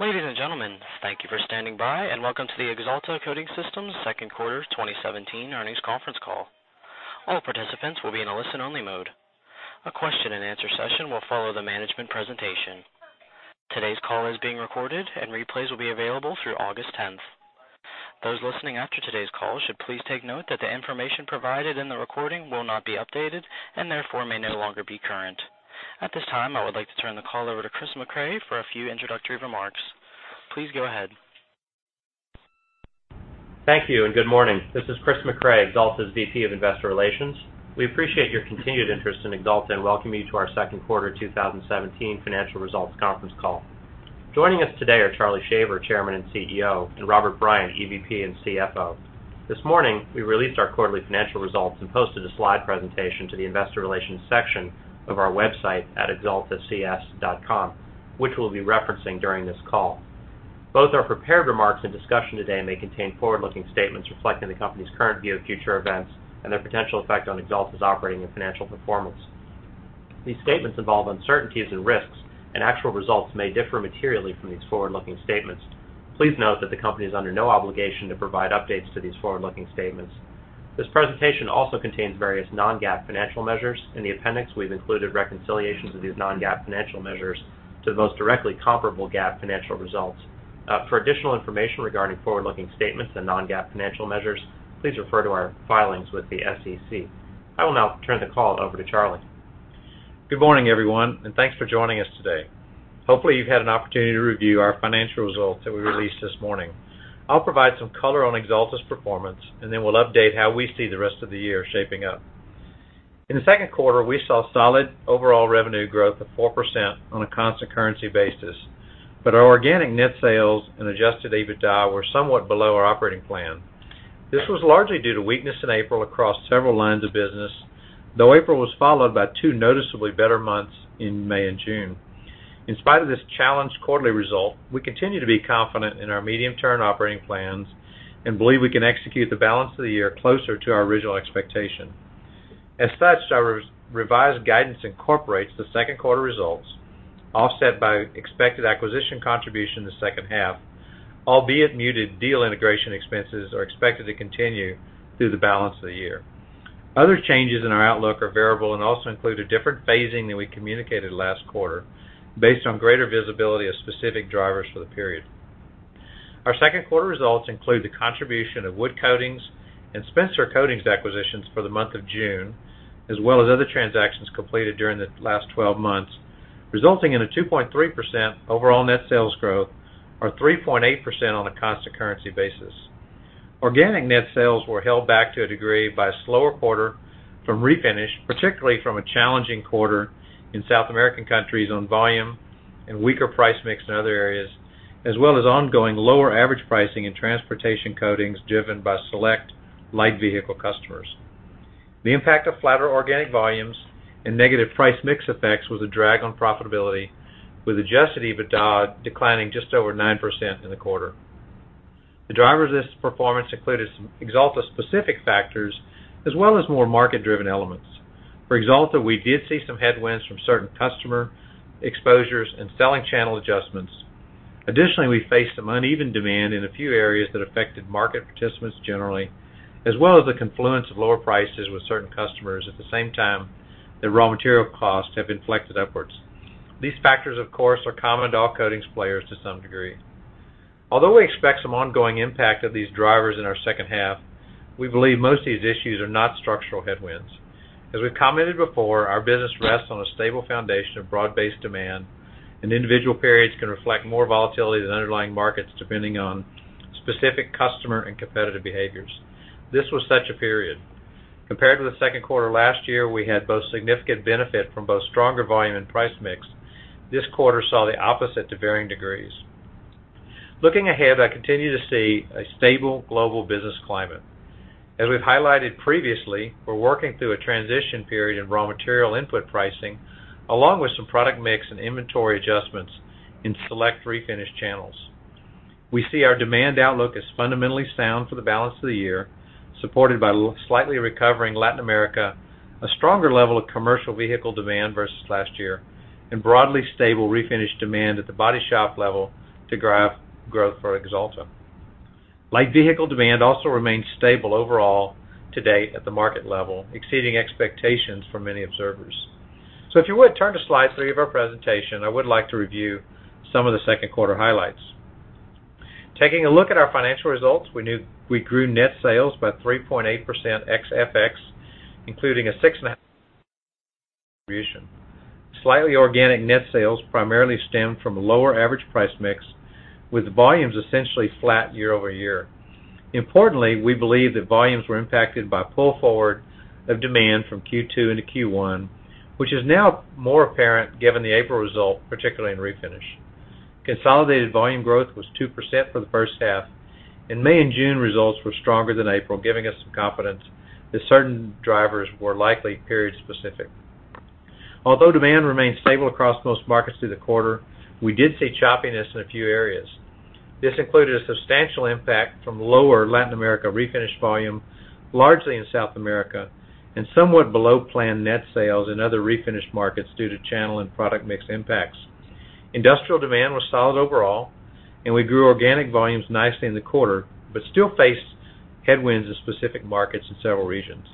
Ladies and gentlemen, thank you for standing by and welcome to the Axalta Coating Systems Second Quarter 2017 Earnings Conference Call. All participants will be in a listen-only mode. A question and answer session will follow the management presentation. Today's call is being recorded, and replays will be available through August 10th. Those listening after today's call should please take note that the information provided in the recording will not be updated and therefore may no longer be current. At this time, I would like to turn the call over to Christopher Mecray for a few introductory remarks. Please go ahead. Thank you and good morning. This is Christopher Mecray, Axalta's VP of Investor Relations. We appreciate your continued interest in Axalta and welcome you to our second quarter 2017 financial results conference call. Joining us today are Charles Shaver, Chairman and CEO, and Robert Bryant, EVP and CFO. This morning, we released our quarterly financial results and posted a slide presentation to the investor relations section of our website at axalta.com, which we'll be referencing during this call. Both our prepared remarks and discussion today may contain forward-looking statements reflecting the company's current view of future events and their potential effect on Axalta's operating and financial performance. These statements involve uncertainties and risks, and actual results may differ materially from these forward-looking statements. Please note that the company is under no obligation to provide updates to these forward-looking statements. This presentation also contains various non-GAAP financial measures. In the appendix, we've included reconciliations of these non-GAAP financial measures to the most directly comparable GAAP financial results. For additional information regarding forward-looking statements and non-GAAP financial measures, please refer to our filings with the SEC. I will now turn the call over to Charlie. Good morning, everyone, and thanks for joining us today. Hopefully, you've had an opportunity to review our financial results that we released this morning. I'll provide some color on Axalta's performance, and then we'll update how we see the rest of the year shaping up. In the second quarter, we saw solid overall revenue growth of 4% on a constant currency basis, but our organic net sales and adjusted EBITDA were somewhat below our operating plan. This was largely due to weakness in April across several lines of business, though April was followed by two noticeably better months in May and June. In spite of this challenged quarterly result, we continue to be confident in our medium-term operating plans and believe we can execute the balance of the year closer to our original expectation. As such, our revised guidance incorporates the second quarter results, offset by expected acquisition contribution in the second half, albeit muted deal integration expenses are expected to continue through the balance of the year. Other changes in our outlook are variable and also include a different phasing than we communicated last quarter based on greater visibility of specific drivers for the period. Our second quarter results include the contribution of Wood Coatings and Spencer Coatings acquisitions for the month of June, as well as other transactions completed during the last 12 months, resulting in a 2.3% overall net sales growth or 3.8% on a constant currency basis. Organic net sales were held back to a degree by a slower quarter from refinish, particularly from a challenging quarter in South American countries on volume and weaker price mix in other areas, as well as ongoing lower average pricing in Transportation Coatings driven by select light vehicle customers. The impact of flatter organic volumes and negative price mix effects was a drag on profitability, with adjusted EBITDA declining just over 9% in the quarter. The drivers of this performance included some Axalta-specific factors, as well as more market-driven elements. For Axalta, we did see some headwinds from certain customer exposures and selling channel adjustments. Additionally, we faced some uneven demand in a few areas that affected market participants generally, as well as a confluence of lower prices with certain customers at the same time that raw material costs have inflected upwards. These factors, of course, are common to all coatings players to some degree. Although we expect some ongoing impact of these drivers in our second half, we believe most of these issues are not structural headwinds. As we've commented before, our business rests on a stable foundation of broad-based demand, and individual periods can reflect more volatility than underlying markets, depending on specific customer and competitive behaviors. This was such a period. Compared to the second quarter last year, we had both significant benefit from both stronger volume and price mix. This quarter saw the opposite to varying degrees. Looking ahead, I continue to see a stable global business climate. As we've highlighted previously, we're working through a transition period in raw material input pricing, along with some product mix and inventory adjustments in select refinish channels. We see our demand outlook as fundamentally sound for the balance of the year, supported by slightly recovering Latin America, a stronger level of commercial vehicle demand versus last year, and broadly stable refinish demand at the body shop level to drive growth for Axalta. Light vehicle demand also remains stable overall to date at the market level, exceeding expectations for many observers. If you would, turn to slide three of our presentation. I would like to review some of the second quarter highlights. Taking a look at our financial results, we grew net sales by 3.8% ex FX, including a 6.5% contribution. Slightly organic net sales primarily stemmed from a lower average price mix, with volumes essentially flat year-over-year. Importantly, we believe that volumes were impacted by pull forward of demand from Q2 into Q1, which is now more apparent given the April result, particularly in refinish. Consolidated volume growth was 2% for the first half, and May and June results were stronger than April, giving us some confidence that certain drivers were likely period-specific. Although demand remained stable across most markets through the quarter, we did see choppiness in a few areas. This included a substantial impact from lower Latin America refinish volume, largely in South America, and somewhat below-plan net sales in other refinish markets due to channel and product mix impacts. Industrial demand was solid overall, and we grew organic volumes nicely in the quarter, but still faced headwinds in specific markets in several regions.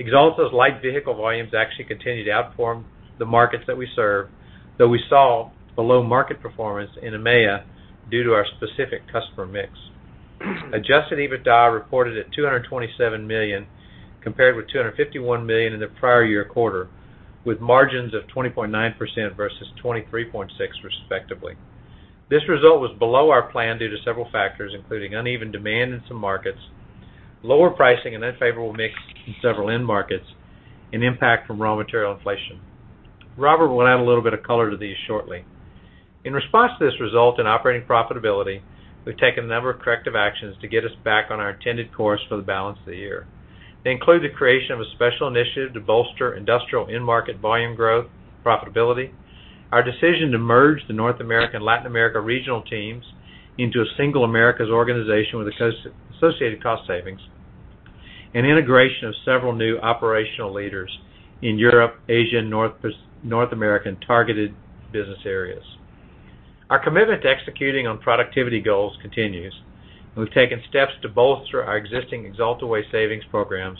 Axalta's light vehicle volumes actually continued to outperform the markets that we serve, though we saw below-market performance in EMEA due to our specific customer mix. Adjusted EBITDA reported at $227 million, compared with $251 million in the prior year quarter, with margins of 20.9% versus 23.6%, respectively. This result was below our plan due to several factors, including uneven demand in some markets, lower pricing, and unfavorable mix in several end markets, and impact from raw material inflation. Robert will add a little bit of color to these shortly. In response to this result in operating profitability, we've taken a number of corrective actions to get us back on our intended course for the balance of the year. They include the creation of a special initiative to bolster industrial end market volume growth profitability, our decision to merge the North American, Latin America regional teams into a single Americas organization with associated cost savings, and integration of several new operational leaders in Europe, Asia, and North American targeted business areas. Our commitment to executing on productivity goals continues, and we've taken steps to bolster our existing Axalta Way savings programs,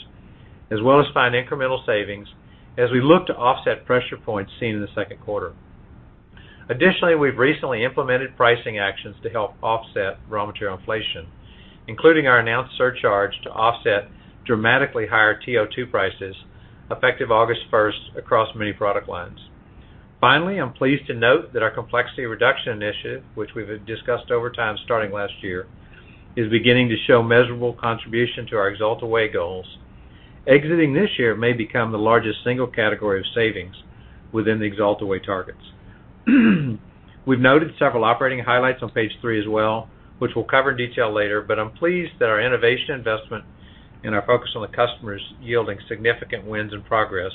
as well as find incremental savings as we look to offset pressure points seen in the second quarter. We've recently implemented pricing actions to help offset raw material inflation, including our announced surcharge to offset dramatically higher TiO2 prices, effective August 1st across many product lines. I'm pleased to note that our complexity reduction initiative, which we've discussed over time starting last year, is beginning to show measurable contribution to our Axalta Way goals. Exiting this year, it may become the largest single category of savings within the Axalta Way targets. We've noted several operating highlights on page three as well, which we'll cover in detail later, but I'm pleased that our innovation investment and our focus on the customer is yielding significant wins and progress,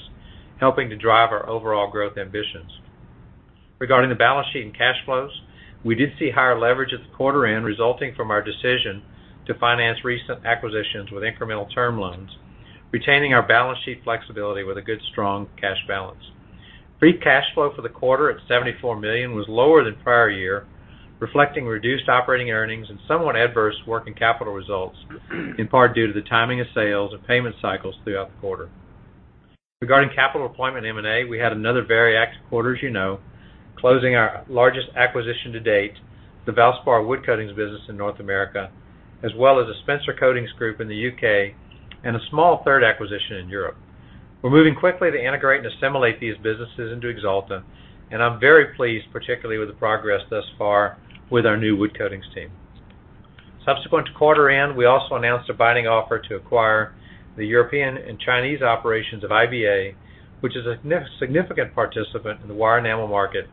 helping to drive our overall growth ambitions. Regarding the balance sheet and cash flows, we did see higher leverage at the quarter end resulting from our decision to finance recent acquisitions with incremental term loans, retaining our balance sheet flexibility with a good, strong cash balance. Free cash flow for the quarter at $74 million was lower than prior year, reflecting reduced operating earnings and somewhat adverse working capital results, in part due to the timing of sales and payment cycles throughout the quarter. Regarding capital deployment and M&A, we had another very active quarter, as you know, closing our largest acquisition to date, the Valspar Wood Coatings business in North America, as well as the Spencer Coatings Group in the U.K., and a small third acquisition in Europe. We're moving quickly to integrate and assimilate these businesses into Axalta, and I'm very pleased, particularly with the progress thus far with our new Wood Coatings team. Subsequent to quarter end, we also announced a binding offer to acquire the European and Chinese operations of IVA, which is a significant participant in the wire enamel market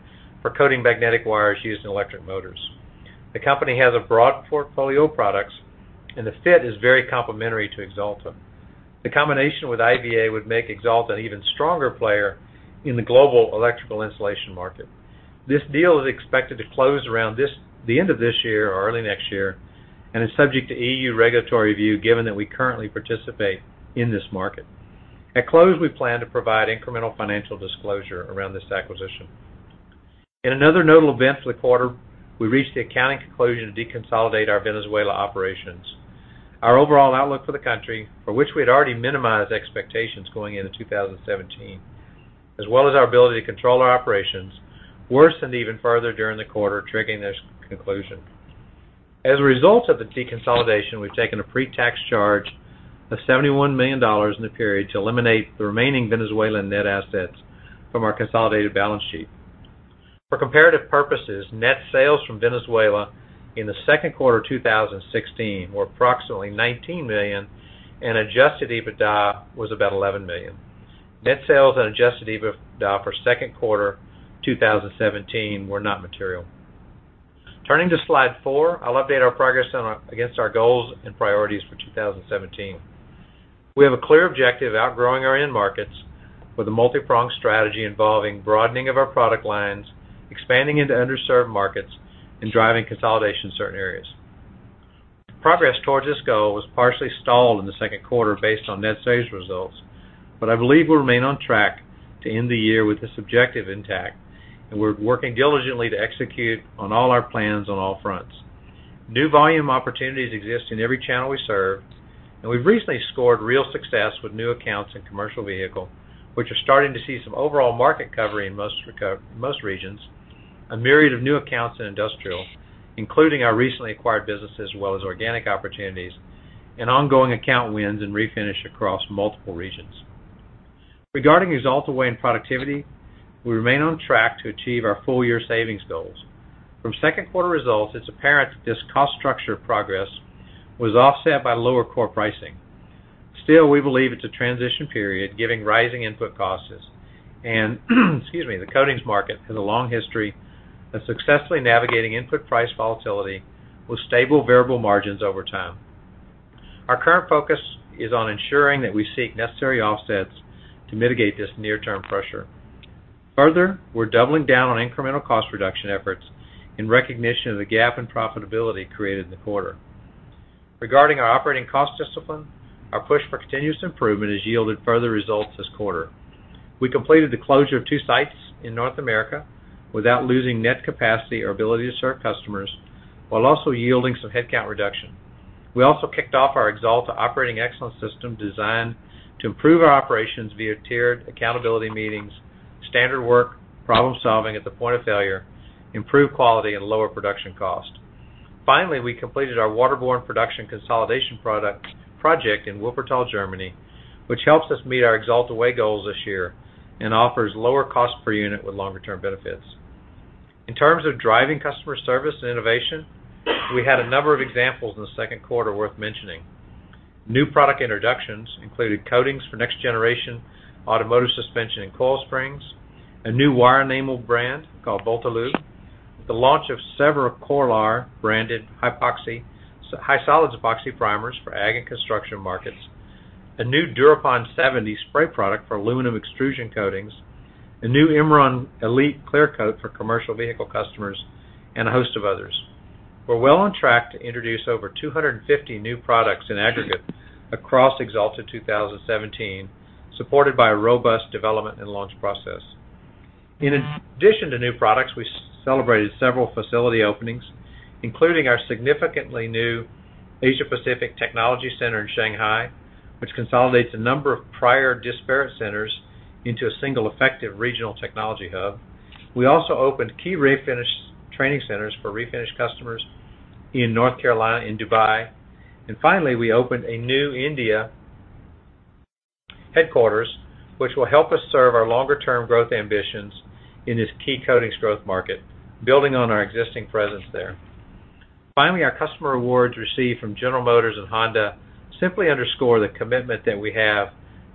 for coating magnetic wires used in electric motors. The company has a broad portfolio of products, and the fit is very complementary to Axalta. The combination with IVA would make Axalta an even stronger player in the global electrical insulation market. This deal is expected to close around the end of this year or early next year and is subject to EU regulatory review given that we currently participate in this market. At close, we plan to provide incremental financial disclosure around this acquisition. In another notable event for the quarter, we reached the accounting conclusion to deconsolidate our Venezuela operations. Our overall outlook for the country, for which we had already minimized expectations going into 2017, as well as our ability to control our operations, worsened even further during the quarter, triggering this conclusion. As a result of the deconsolidation, we've taken a pre-tax charge of $71 million in the period to eliminate the remaining Venezuelan net assets from our consolidated balance sheet. For comparative purposes, net sales from Venezuela in the second quarter 2016 were approximately $19 million, and adjusted EBITDA was about $11 million. Net sales and adjusted EBITDA for second quarter 2017 were not material. Turning to slide four, I'll update our progress against our goals and priorities for 2017. We have a clear objective of outgrowing our end markets with a multi-pronged strategy involving broadening of our product lines, expanding into underserved markets, and driving consolidation in certain areas. Progress towards this goal was partially stalled in the second quarter based on net sales results, but I believe we'll remain on track to end the year with this objective intact, and we're working diligently to execute on all our plans on all fronts. New volume opportunities exist in every channel we serve. We've recently scored real success with new accounts in commercial vehicle, which are starting to see some overall market recovery in most regions, a myriad of new accounts in industrial, including our recently acquired business as well as organic opportunities, and ongoing account wins in Refinish across multiple regions. Regarding Axalta Way and productivity, we remain on track to achieve our full-year savings goals. From second quarter results, it's apparent that this cost structure progress was offset by lower core pricing. Still, we believe it's a transition period, giving rising input costs, and the coatings market has a long history of successfully navigating input price volatility with stable variable margins over time. Our current focus is on ensuring that we seek necessary offsets to mitigate this near-term pressure. Further, we're doubling down on incremental cost reduction efforts in recognition of the gap in profitability created in the quarter. Regarding our operating cost discipline, our push for continuous improvement has yielded further results this quarter. We completed the closure of two sites in North America without losing net capacity or ability to serve customers, while also yielding some headcount reduction. We also kicked off our Axalta Operational Excellence system designed to improve our operations via tiered accountability meetings, standard work, problem-solving at the point of failure, improved quality, and lower production cost. Finally, we completed our waterborne production consolidation project in Wuppertal, Germany, which helps us meet our Axalta Way goals this year and offers lower cost per unit with longer-term benefits. In terms of driving customer service and innovation, we had a number of examples in the second quarter worth mentioning. New product introductions included coatings for next generation automotive suspension and coil springs, a new wire enamel brand called Voltalube, the launch of several Corlar branded high solids epoxy primers for ag and construction markets, a new Durapon 70 spray product for aluminum extrusion coatings, a new Imron Elite clear coat for commercial vehicle customers, and a host of others. We're well on track to introduce over 250 new products in aggregate across Axalta 2017, supported by a robust development and launch process. In addition to new products, we celebrated several facility openings, including our significantly new Asia-Pacific Technology Center in Shanghai, which consolidates a number of prior disparate centers into a single effective regional technology hub. We also opened key refinish training centers for refinish customers in North Carolina and Dubai. Finally, we opened a new India headquarters, which will help us serve our longer-term growth ambitions in this key coatings growth market, building on our existing presence there. Finally, our customer awards received from General Motors and Honda simply underscore the commitment that we have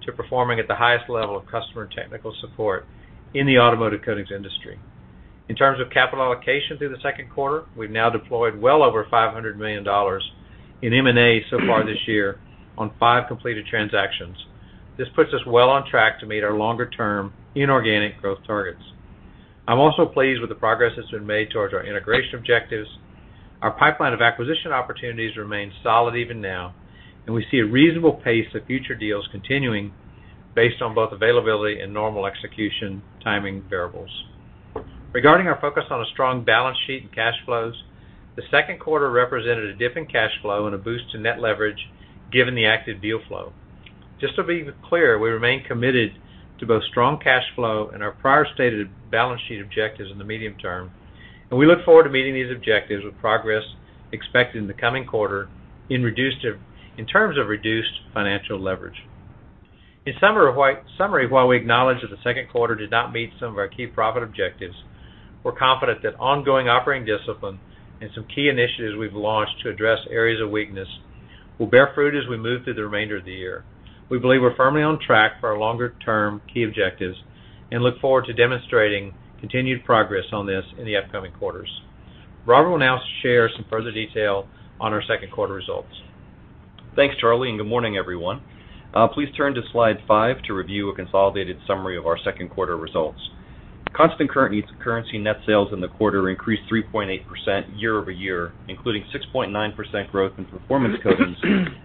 to performing at the highest level of customer and technical support in the automotive coatings industry. In terms of capital allocation through the second quarter, we've now deployed well over $500 million in M&A so far this year on five completed transactions. This puts us well on track to meet our longer-term inorganic growth targets. I'm also pleased with the progress that's been made towards our integration objectives. Our pipeline of acquisition opportunities remains solid even now, and we see a reasonable pace of future deals continuing based on both availability and normal execution timing variables. Regarding our focus on a strong balance sheet and cash flows, the second quarter represented a dip in cash flow and a boost to net leverage given the active deal flow. Just to be clear, we remain committed to both strong cash flow and our prior stated balance sheet objectives in the medium term, and we look forward to meeting these objectives with progress expected in the coming quarter in terms of reduced financial leverage. In summary, while we acknowledge that the second quarter did not meet some of our key profit objectives, we're confident that ongoing operating discipline and some key initiatives we've launched to address areas of weakness will bear fruit as we move through the remainder of the year. We believe we're firmly on track for our longer-term key objectives and look forward to demonstrating continued progress on this in the upcoming quarters. Robert will now share some further detail on our second quarter results. Thanks, Charlie. Good morning, everyone. Please turn to Slide 5 to review a consolidated summary of our second quarter results. Constant currency net sales in the quarter increased 3.8% year-over-year, including 6.9% growth in Performance Coatings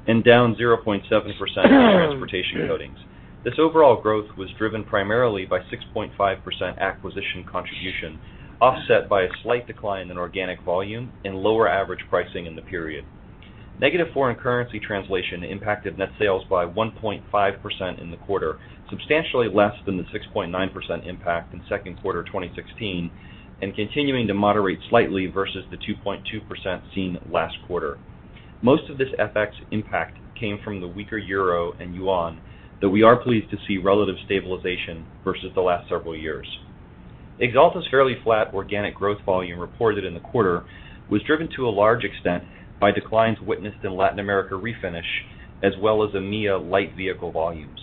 and down 0.7% in Transportation Coatings. This overall growth was driven primarily by 6.5% acquisition contribution, offset by a slight decline in organic volume and lower average pricing in the period. Negative foreign currency translation impacted net sales by 1.5% in the quarter, substantially less than the 6.9% impact in Q2 2016 and continuing to moderate slightly versus the 2.2% seen last quarter. Most of this FX impact came from the weaker EUR and CNY, though we are pleased to see relative stabilization versus the last several years. Axalta's fairly flat organic growth volume reported in the quarter was driven to a large extent by declines witnessed in Latin America Refinish, as well as EMEA Light Vehicle volumes.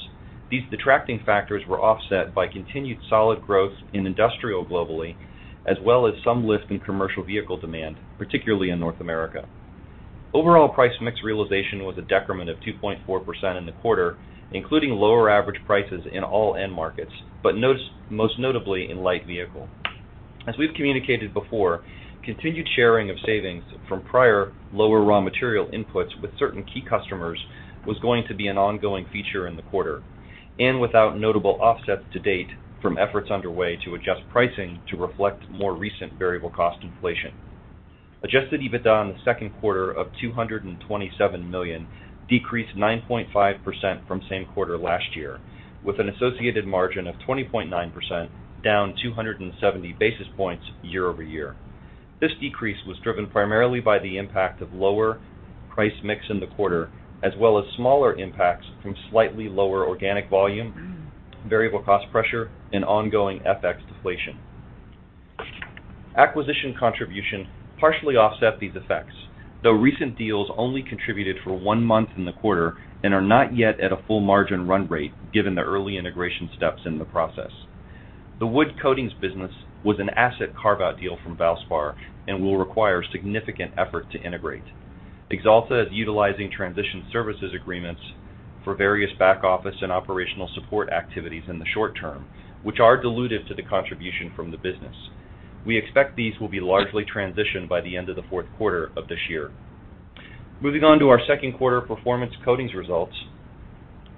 These detracting factors were offset by continued solid growth in industrial globally, as well as some lift in commercial vehicle demand, particularly in North America. Overall price mix realization was a decrement of 2.4% in the quarter, including lower average prices in all end markets, but most notably in Light Vehicle. As we've communicated before, continued sharing of savings from prior lower raw material inputs with certain key customers was going to be an ongoing feature in the quarter and without notable offsets to date from efforts underway to adjust pricing to reflect more recent variable cost inflation. Adjusted EBITDA in the second quarter of $227 million decreased 9.5% from same quarter last year, with an associated margin of 20.9%, down 270 basis points year-over-year. This decrease was driven primarily by the impact of lower price mix in the quarter, as well as smaller impacts from slightly lower organic volume, variable cost pressure, and ongoing FX deflation. Acquisition contribution partially offset these effects, though recent deals only contributed for one month in the quarter and are not yet at a full margin run rate given the early integration steps in the process. The Wood Coatings business was an asset carve-out deal from Valspar and will require significant effort to integrate. Axalta is utilizing transition services agreements for various back-office and operational support activities in the short term, which are dilutive to the contribution from the business. We expect these will be largely transitioned by the end of the fourth quarter of this year. Moving on to our second quarter Performance Coatings results.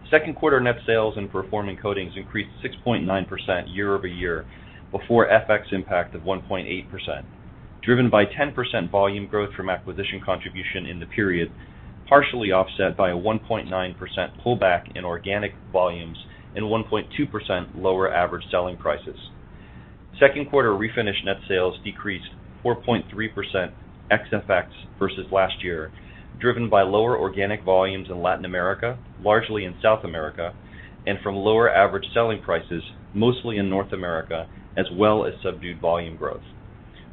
Second quarter net sales in Performance Coatings increased 6.9% year-over-year before FX impact of 1.8%, driven by 10% volume growth from acquisition contribution in the period, partially offset by a 1.9% pullback in organic volumes and 1.2% lower average selling prices. Second quarter refinish net sales decreased 4.3% ex FX versus last year, driven by lower organic volumes in Latin America, largely in South America, and from lower average selling prices mostly in North America, as well as subdued volume growth.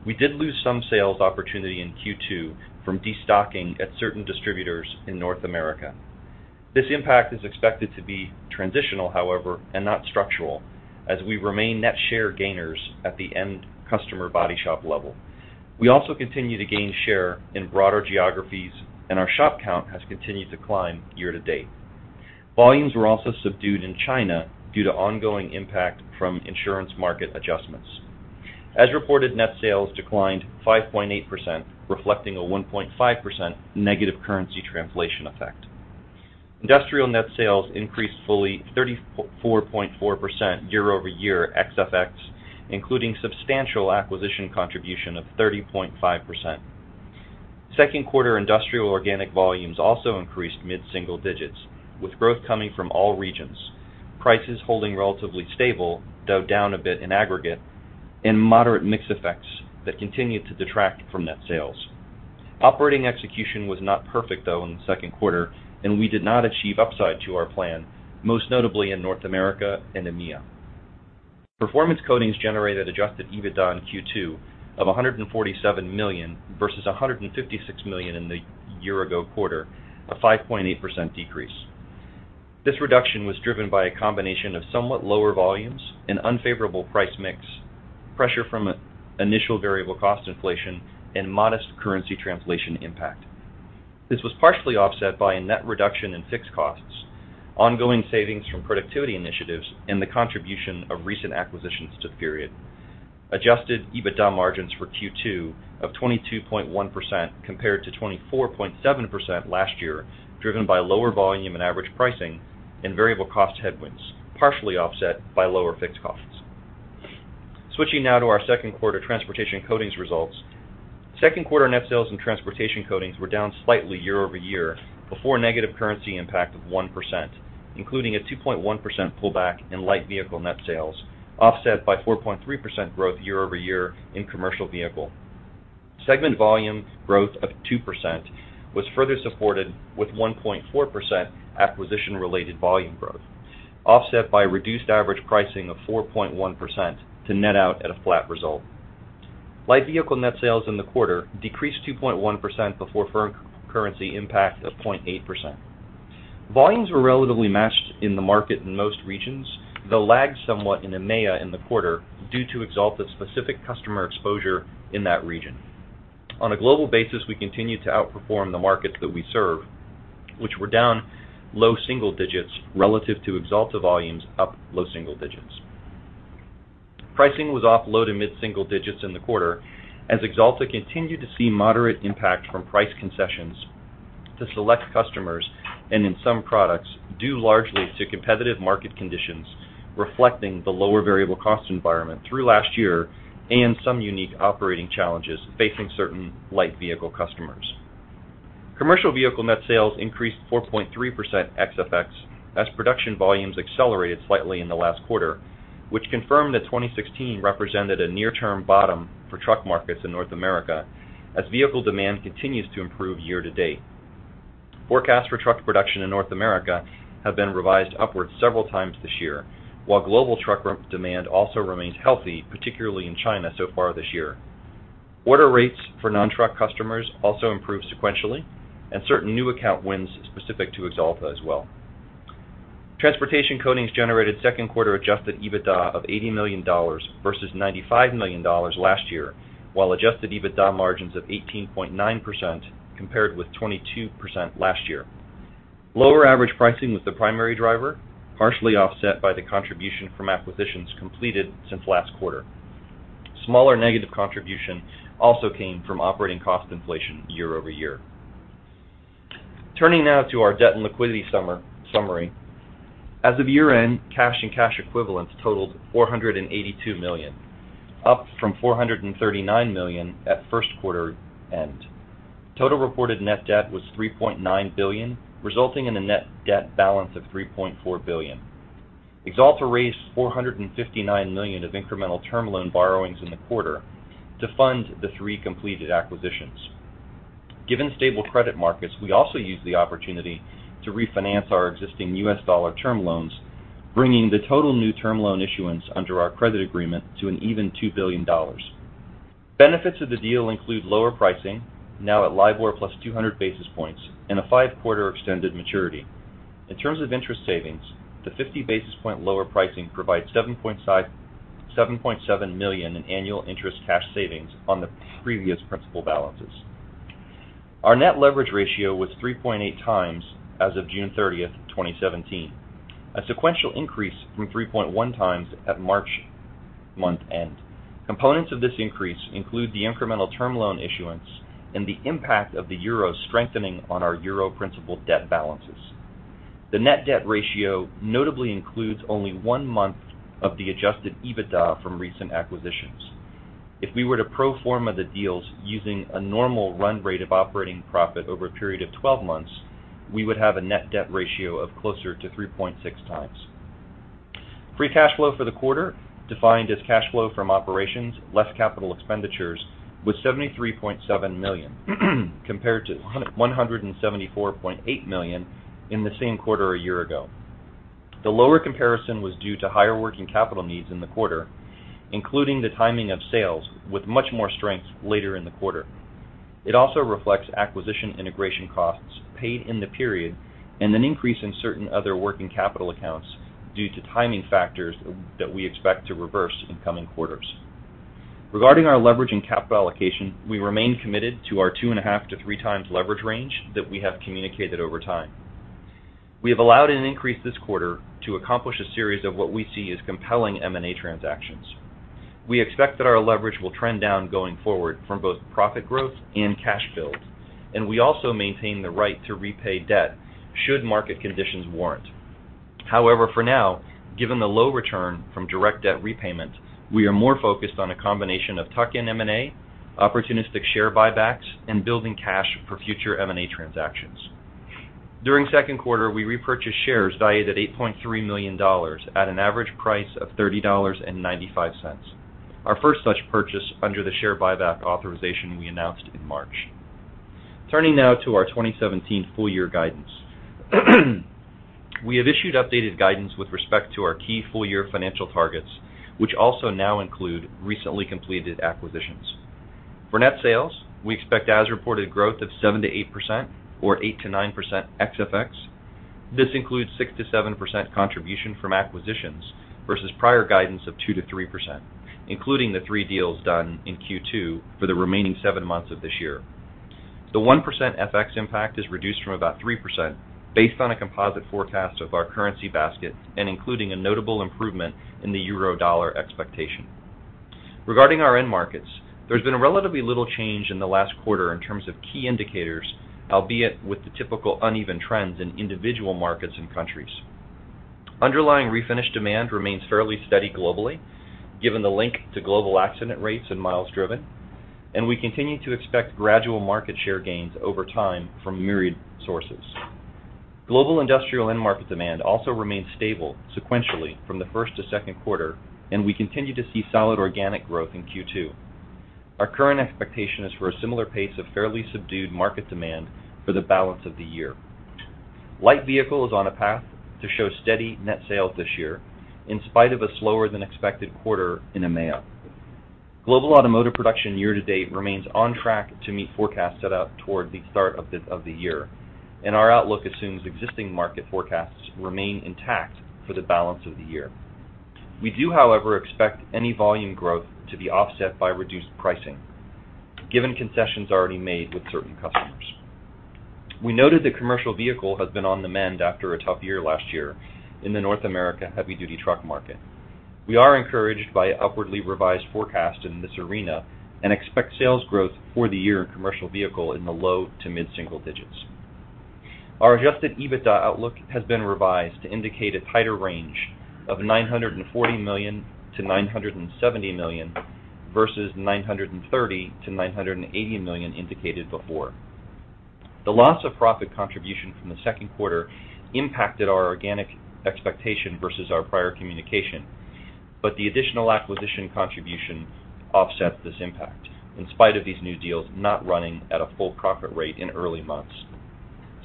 We did lose some sales opportunity in Q2 from destocking at certain distributors in North America. This impact is expected to be transitional, however, and not structural, as we remain net share gainers at the end customer body shop level. We also continue to gain share in broader geographies, and our shop count has continued to climb year-to-date. Volumes were also subdued in China due to ongoing impact from insurance market adjustments. As reported, net sales declined 5.8%, reflecting a 1.5% negative currency translation effect. Industrial net sales increased fully 34.4% year-over-year ex FX, including substantial acquisition contribution of 30.5%. Second quarter industrial organic volumes also increased mid-single digits, with growth coming from all regions, prices holding relatively stable, though down a bit in aggregate, and moderate mix effects that continued to detract from net sales. Operating execution was not perfect, though, in the second quarter, and we did not achieve upside to our plan, most notably in North America and EMEA. Performance Coatings generated adjusted EBITDA in Q2 of $147 million versus $156 million in the year-ago quarter, a 5.8% decrease. This reduction was driven by a combination of somewhat lower volumes and unfavorable price mix, pressure from initial variable cost inflation, and modest currency translation impact. This was partially offset by a net reduction in fixed costs, ongoing savings from productivity initiatives, and the contribution of recent acquisitions to the period. Adjusted EBITDA margins for Q2 of 22.1% compared to 24.7% last year, driven by lower volume and average pricing and variable cost headwinds, partially offset by lower fixed costs. Switching now to our second quarter Transportation Coatings results. Second quarter net sales in Transportation Coatings were down slightly year-over-year before negative currency impact of 1%, including a 2.1% pullback in light vehicle net sales, offset by 4.3% growth year-over-year in commercial vehicle. Segment volume growth of 2% was further supported with 1.4% acquisition-related volume growth, offset by reduced average pricing of 4.1% to net out at a flat result. Light vehicle net sales in the quarter decreased 2.1% before foreign currency impact of 0.8%. Volumes were relatively matched in the market in most regions, though lagged somewhat in EMEA in the quarter due to Axalta's specific customer exposure in that region. On a global basis, we continue to outperform the markets that we serve, which were down low single digits relative to Axalta volumes up low single digits. Pricing was off low to mid single digits in the quarter, as Axalta continued to see moderate impact from price concessions to select customers and in some products, due largely to competitive market conditions reflecting the lower variable cost environment through last year and some unique operating challenges facing certain light vehicle customers. Commercial vehicle net sales increased 4.3% ex FX as production volumes accelerated slightly in the last quarter, which confirmed that 2016 represented a near-term bottom for truck markets in North America, as vehicle demand continues to improve year-to-date. Forecasts for truck production in North America have been revised upwards several times this year, while global truck demand also remains healthy, particularly in China so far this year. Order rates for non-truck customers also improved sequentially and certain new account wins specific to Axalta as well. Transportation Coatings generated second quarter adjusted EBITDA of $80 million versus $95 million last year, while adjusted EBITDA margins of 18.9% compared with 22% last year. Lower average pricing was the primary driver, partially offset by the contribution from acquisitions completed since last quarter. Smaller negative contribution also came from operating cost inflation year-over-year. Turning now to our debt and liquidity summary. As of year-end, cash and cash equivalents totaled $482 million, up from $439 million at first quarter end. Total reported net debt was $3.9 billion, resulting in a net debt balance of $3.4 billion. Axalta raised $459 million of incremental term loan borrowings in the quarter to fund the three completed acquisitions. Given stable credit markets, we also used the opportunity to refinance our existing U.S. dollar term loans, bringing the total new term loan issuance under our credit agreement to an even $2 billion. Benefits of the deal include lower pricing, now at LIBOR plus 200 basis points, and a five-quarter extended maturity. In terms of interest savings, the 50 basis point lower pricing provides $7.7 million in annual interest cash savings on the previous principal balances. Our net leverage ratio was 3.8 times as of June 30th, 2017, a sequential increase from 3.1 times at March month-end. Components of this increase include the incremental term loan issuance and the impact of the euro strengthening on our euro principal debt balances. The net debt ratio notably includes only one month of the adjusted EBITDA from recent acquisitions. If we were to pro forma the deals using a normal run rate of operating profit over a period of 12 months, we would have a net debt ratio of closer to 3.6 times. Free cash flow for the quarter, defined as cash flow from operations, less capital expenditures, was $73.7 million, compared to $174.8 million in the same quarter a year ago. The lower comparison was due to higher working capital needs in the quarter, including the timing of sales, with much more strength later in the quarter. It also reflects acquisition integration costs paid in the period and an increase in certain other working capital accounts due to timing factors that we expect to reverse in coming quarters. Regarding our leverage and capital allocation, we remain committed to our two and a half to three times leverage range that we have communicated over time. We have allowed an increase this quarter to accomplish a series of what we see as compelling M&A transactions. We expect that our leverage will trend down going forward from both profit growth and cash build, and we also maintain the right to repay debt should market conditions warrant. However, for now, given the low return from direct debt repayment, we are more focused on a combination of tuck-in M&A, opportunistic share buybacks, and building cash for future M&A transactions. During the second quarter, we repurchased shares valued at $8.3 million at an average price of $30.95, our first such purchase under the share buyback authorization we announced in March. Turning now to our 2017 full-year guidance. We have issued updated guidance with respect to our key full-year financial targets, which also now include recently completed acquisitions. For net sales, we expect as-reported growth of 7%-8%, or 8%-9% ex FX. This includes 6%-7% contribution from acquisitions versus prior guidance of 2%-3%, including the three deals done in Q2 for the remaining seven months of this year. The 1% FX impact is reduced from about 3%, based on a composite forecast of our currency basket and including a notable improvement in the euro/dollar expectation. Regarding our end markets, there's been relatively little change in the last quarter in terms of key indicators, albeit with the typical uneven trends in individual markets and countries. Underlying refinish demand remains fairly steady globally, given the link to global accident rates and miles driven, and we continue to expect gradual market share gains over time from myriad sources. Global industrial end market demand also remains stable sequentially from the first to second quarter, and we continue to see solid organic growth in Q2. Our current expectation is for a similar pace of fairly subdued market demand for the balance of the year. Light vehicle is on a path to show steady net sales this year, in spite of a slower-than-expected quarter in EMEA. Global automotive production year to date remains on track to meet forecasts set out toward the start of the year, and our outlook assumes existing market forecasts remain intact for the balance of the year. We do, however, expect any volume growth to be offset by reduced pricing, given concessions already made with certain customers. We noted that commercial vehicle has been on the mend after a tough year last year in the North America heavy-duty truck market. We are encouraged by upwardly revised forecasts in this arena and expect sales growth for the year in commercial vehicle in the low to mid-single digits. Our adjusted EBITDA outlook has been revised to indicate a tighter range of $940 million-$970 million versus $930 million-$980 million indicated before. The loss of profit contribution from the second quarter impacted our organic expectation versus our prior communication, but the additional acquisition contribution offset this impact, in spite of these new deals not running at a full profit rate in early months.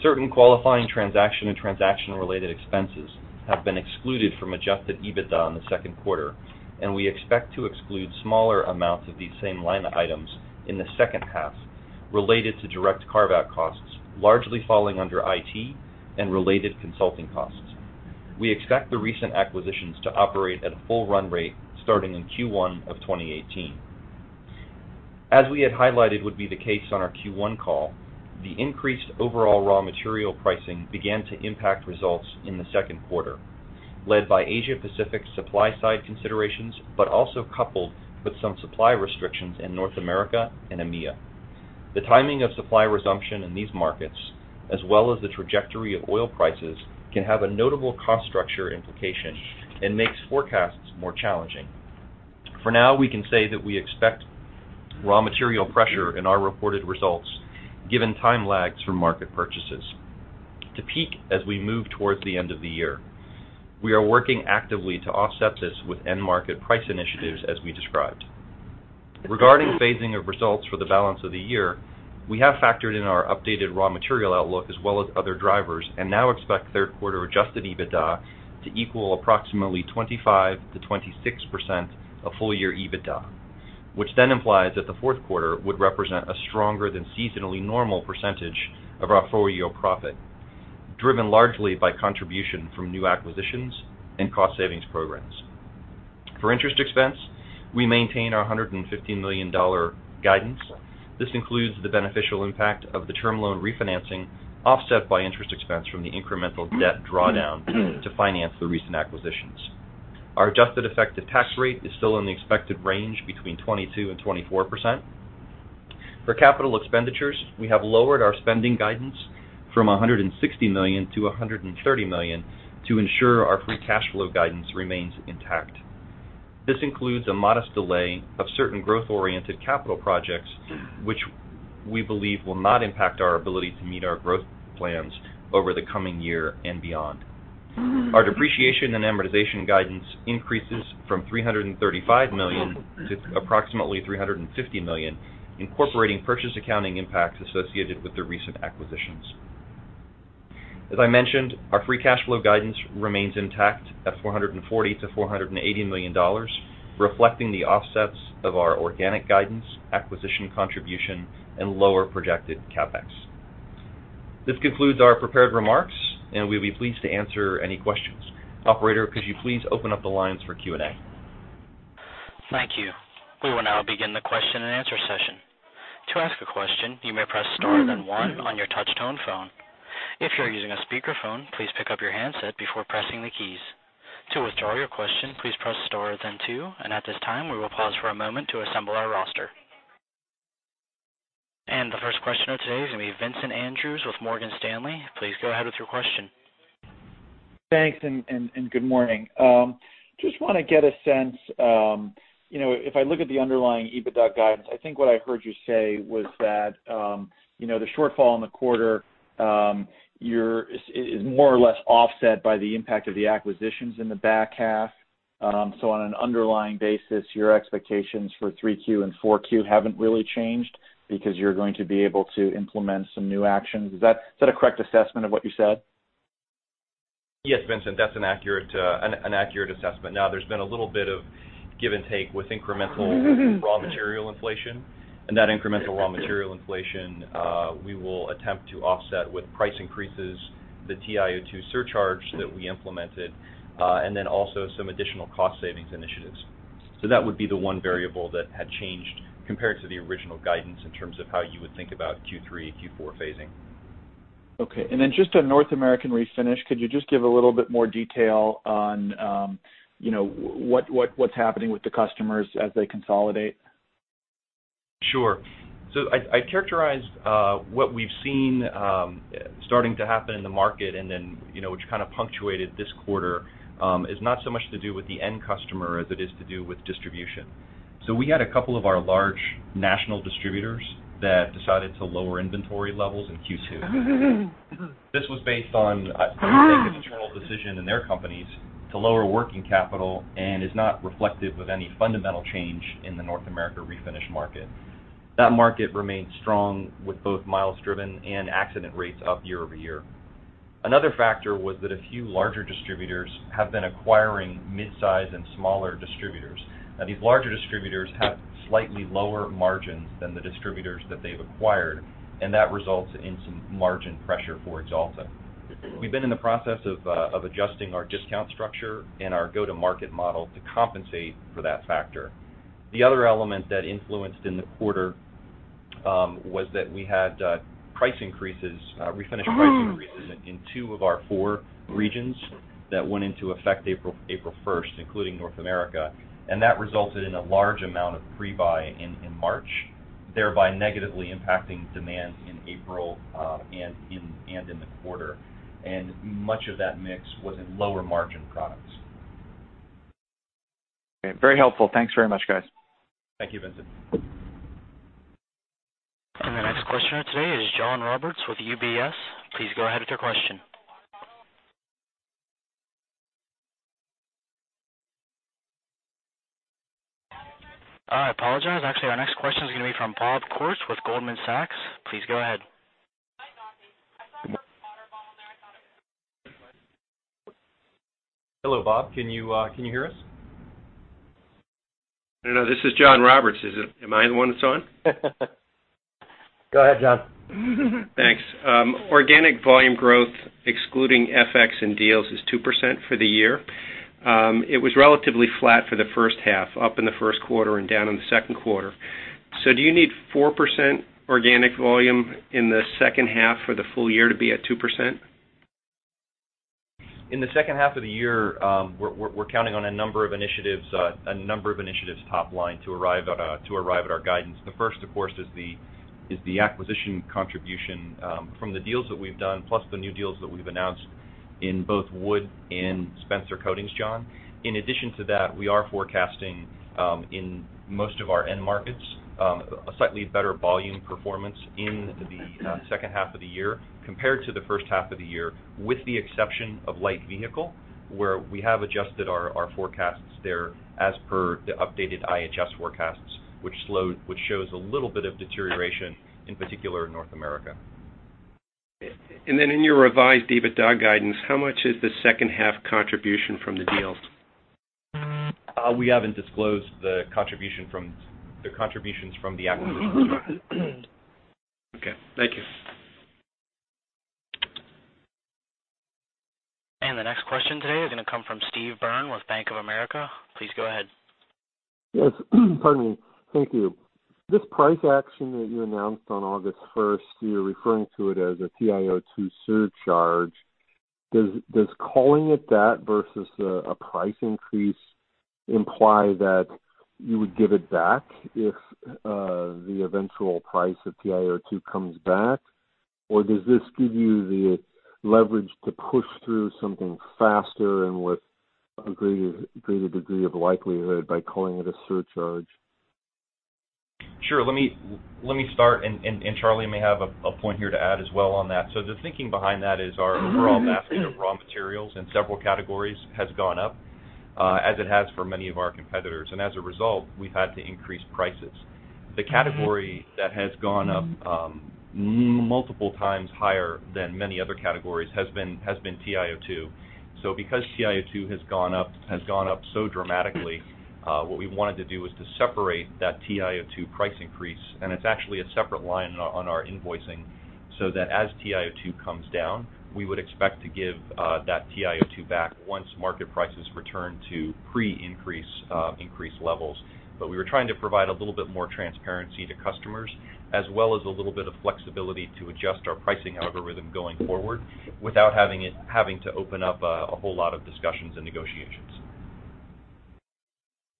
Certain qualifying transaction and transaction-related expenses have been excluded from adjusted EBITDA in the second quarter, and we expect to exclude smaller amounts of these same line items in the second half related to direct carve-out costs, largely falling under IT and related consulting costs. We expect the recent acquisitions to operate at a full run rate starting in Q1 of 2018. As we had highlighted would be the case on our Q1 call, the increased overall raw material pricing began to impact results in the second quarter, led by Asia-Pacific supply-side considerations, but also coupled with some supply restrictions in North America and EMEA. The timing of supply resumption in these markets, as well as the trajectory of oil prices, can have a notable cost structure implication and makes forecasts more challenging. For now, we can say that we expect raw material pressure in our reported results, given time lags from market purchases, to peak as we move towards the end of the year. We are working actively to offset this with end-market price initiatives as we described. Regarding phasing of results for the balance of the year, we have factored in our updated raw material outlook as well as other drivers, and now expect third quarter adjusted EBITDA to equal approximately 25%-26% of full year EBITDA. This implies that the fourth quarter would represent a stronger than seasonally normal percentage of our full-year profit, driven largely by contribution from new acquisitions and cost savings programs. For interest expense, we maintain our $150 million guidance. This includes the beneficial impact of the term loan refinancing, offset by interest expense from the incremental debt drawdown to finance the recent acquisitions. Our adjusted effective tax rate is still in the expected range, between 22%-24%. For capital expenditures, we have lowered our spending guidance from $160 million-$130 million to ensure our free cash flow guidance remains intact. This includes a modest delay of certain growth-oriented capital projects, which we believe will not impact our ability to meet our growth plans over the coming year and beyond. Our depreciation and amortization guidance increases from $335 million to approximately $350 million, incorporating purchase accounting impacts associated with the recent acquisitions. As I mentioned, our free cash flow guidance remains intact at $440 million-$480 million, reflecting the offsets of our organic guidance, acquisition contribution, and lower projected CapEx. This concludes our prepared remarks, and we'd be pleased to answer any questions. Operator, could you please open up the lines for Q&A? Thank you. We will now begin the question and answer session. To ask a question, you may press star then one on your touch-tone phone. If you are using a speakerphone, please pick up your handset before pressing the keys. To withdraw your question, please press star then two. At this time, we will pause for a moment to assemble our roster. The first question of today is going to be Vincent Andrews with Morgan Stanley. Please go ahead with your question. Thanks, and good morning. Just want to get a sense. If I look at the underlying EBITDA guidance, I think what I heard you say was that, the shortfall in the quarter is more or less offset by the impact of the acquisitions in the back half. On an underlying basis, your expectations for Q3 and Q4 haven't really changed because you're going to be able to implement some new actions. Is that a correct assessment of what you said? Yes, Vincent, that's an accurate assessment. Now, there's been a little bit of give and take with incremental raw material inflation, and that incremental raw material inflation, we will attempt to offset with price increases, the TiO2 surcharge that we implemented, and then also some additional cost savings initiatives. That would be the one variable that had changed compared to the original guidance in terms of how you would think about Q3 and Q4 phasing. Okay. Just on North American Refinish, could you just give a little bit more detail on what's happening with the customers as they consolidate? Sure. I characterize what we've seen starting to happen in the market, and then which kind of punctuated this quarter, is not so much to do with the end customer as it is to do with distribution. We had a couple of our large national distributors that decided to lower inventory levels in Q2. This was based on, I think, an internal decision in their companies to lower working capital and is not reflective of any fundamental change in the North America Refinish market. That market remains strong with both miles driven and accident rates up year-over-year. Another factor was that a few larger distributors have been acquiring mid-size and smaller distributors. These larger distributors have slightly lower margins than the distributors that they've acquired, and that results in some margin pressure for Axalta. We've been in the process of adjusting our discount structure and our go-to-market model to compensate for that factor. The other element that influenced in the quarter was that we had price increases, Refinish price increases, in two of our four regions that went into effect April 1st, including North America, that resulted in a large amount of pre-buy in March, thereby negatively impacting demand in April and in the quarter. Much of that mix was in lower margin products. Okay. Very helpful. Thanks very much, guys. Thank you, Vincent. The next question of today is John Roberts with UBS. Please go ahead with your question. I apologize. Actually, our next question is going to be from Bob Koort with Goldman Sachs. Please go ahead. Hello, Bob. Can you hear us? No, this is John Roberts. Am I the one that's on? Go ahead, John. Thanks. Organic volume growth, excluding FX and deals, is 2% for the year. It was relatively flat for the first half, up in the first quarter and down in the second quarter. Do you need 4% organic volume in the second half for the full year to be at 2%? In the second half of the year, we're counting on a number of initiatives top line to arrive at our guidance. The first, of course, is the acquisition contribution from the deals that we've done, plus the new deals that we've announced in both Wood and Spencer Coatings Group, John. In addition to that, we are forecasting, in most of our end markets, a slightly better volume performance in the second half of the year compared to the first half of the year, with the exception of light vehicle, where we have adjusted our forecasts there as per the updated IHS forecasts, which shows a little bit of deterioration, in particular in North America. In your revised EBITDA guidance, how much is the second half contribution from the deals? We haven't disclosed the contributions from the acquisitions. Okay. Thank you. The next question today is going to come from Steve Byrne with Bank of America. Please go ahead. Yes. Pardon me. Thank you. This price action that you announced on August 1st, you're referring to it as a TiO2 surcharge. Does calling it that versus a price increase imply that you would give it back if the eventual price of TiO2 comes back? Does this give you the leverage to push through something faster and with a greater degree of likelihood by calling it a surcharge? Sure. Let me start, and Charlie may have a point here to add as well on that. The thinking behind that is our overall basket of raw materials in several categories has gone up, as it has for many of our competitors. As a result, we've had to increase prices. The category that has gone up multiple times higher than many other categories has been TiO2. Because TiO2 has gone up so dramatically, what we wanted to do was to separate that TiO2 price increase, and it's actually a separate line on our invoicing, so that as TiO2 comes down, we would expect to give that TiO2 back once market prices return to pre-increase levels. We were trying to provide a little bit more transparency to customers, as well as a little bit of flexibility to adjust our pricing algorithm going forward without having to open up a whole lot of discussions and negotiations.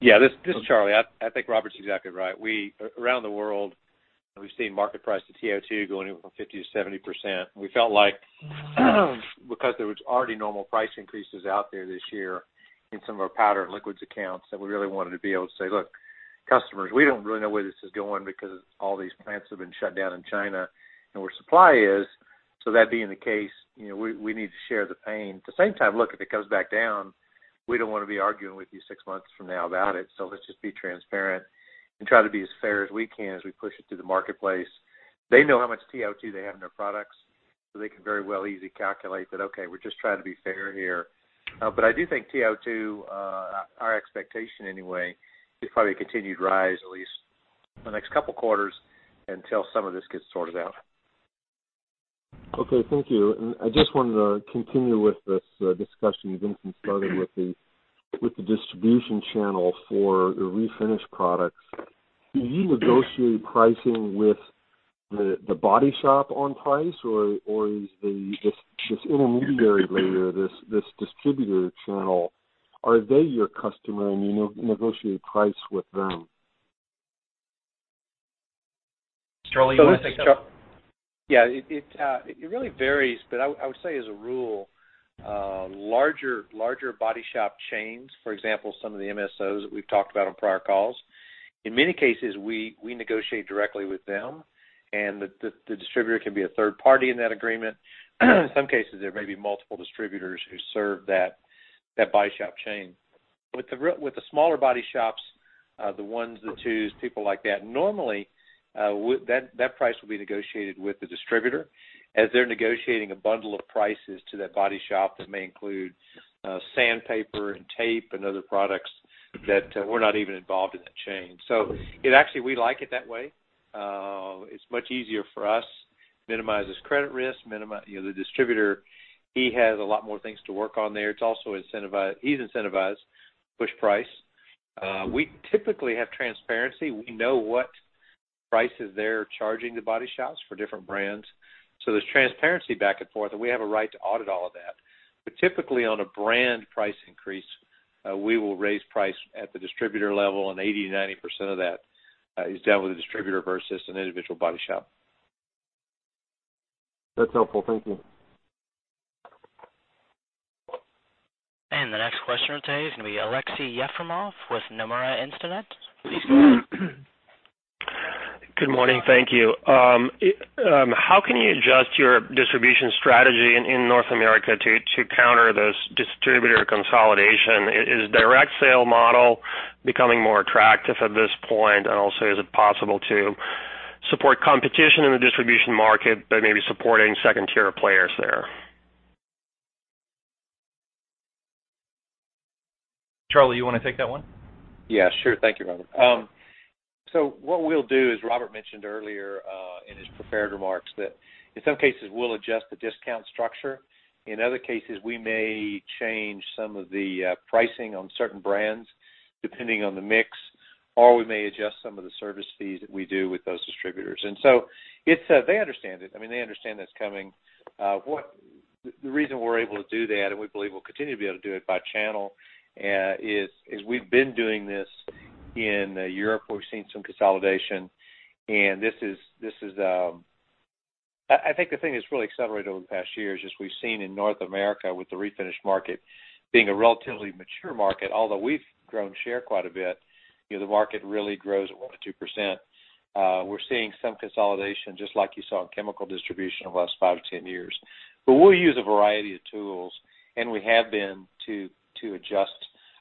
Yeah, this is Charlie. I think Robert's exactly right. Around the world, we've seen market price of TiO2 going up from 50%-70%. We felt like, because there was already normal price increases out there this year in some of our powder and liquids accounts, that we really wanted to be able to say, "Look, customers, we don't really know where this is going because all these plants have been shut down in China, and where supply is. That being the case, we need to share the pain. At the same time, look, if it comes back down, we don't want to be arguing with you 6 months from now about it, let's just be transparent and try to be as fair as we can as we push it through the marketplace." They know how much TiO2 they have in their products, they can very well easily calculate that, okay, we're just trying to be fair here. I do think TiO2, our expectation anyway, is probably a continued rise at least the next couple quarters until some of this gets sorted out. Okay, thank you. I just wanted to continue with this discussion Vincent started with the distribution channel for your refinish products. Do you negotiate pricing with the body shop on price, or is this intermediary layer, this distributor channel, are they your customer, and you negotiate price with them? Charlie, you want to take that one? Yeah. It really varies, but I would say as a rule, larger body shop chains, for example, some of the MSOs that we've talked about on prior calls, in many cases, we negotiate directly with them, and the distributor can be a third party in that agreement. In some cases, there may be multiple distributors who serve that body shop chain. With the smaller body shops, the ones, the twos, people like that, normally, that price will be negotiated with the distributor as they're negotiating a bundle of prices to that body shop that may include sandpaper and tape and other products that we're not even involved in that chain. Actually, we like it that way. It's much easier for us, minimizes credit risk. The distributor, he has a lot more things to work on there. He's incentivized to push price. We typically have transparency. We know what prices they're charging the body shops for different brands. There's transparency back and forth, and we have a right to audit all of that. Typically, on a brand price increase, we will raise price at the distributor level, and 80%-90% of that is done with a distributor versus an individual body shop. That's helpful. Thank you. The next question today is going to be Aleksey Yefremov with Nomura Instinet. Please go ahead. Good morning. Thank you. How can you adjust your distribution strategy in North America to counter this distributor consolidation? Is direct sale model becoming more attractive at this point? Is it possible to support competition in the distribution market by maybe supporting second-tier players there? Charlie, you want to take that one? Yeah, sure. Thank you, Robert. What we'll do, as Robert mentioned earlier in his prepared remarks, that in some cases, we'll adjust the discount structure. In other cases, we may change some of the pricing on certain brands depending on the mix, or we may adjust some of the service fees that we do with those distributors. They understand it. I mean, they understand that's coming. The reason we're able to do that, and we believe we'll continue to be able to do it by channel, is we've been doing this in Europe, where we've seen some consolidation. I think the thing that's really accelerated over the past year is just we've seen in North America with the refinish market being a relatively mature market, although we've grown share quite a bit, the market really grows at 1%-2%. We're seeing some consolidation, just like you saw in chemical distribution over the last 5-10 years. We'll use a variety of tools, and we have been, to adjust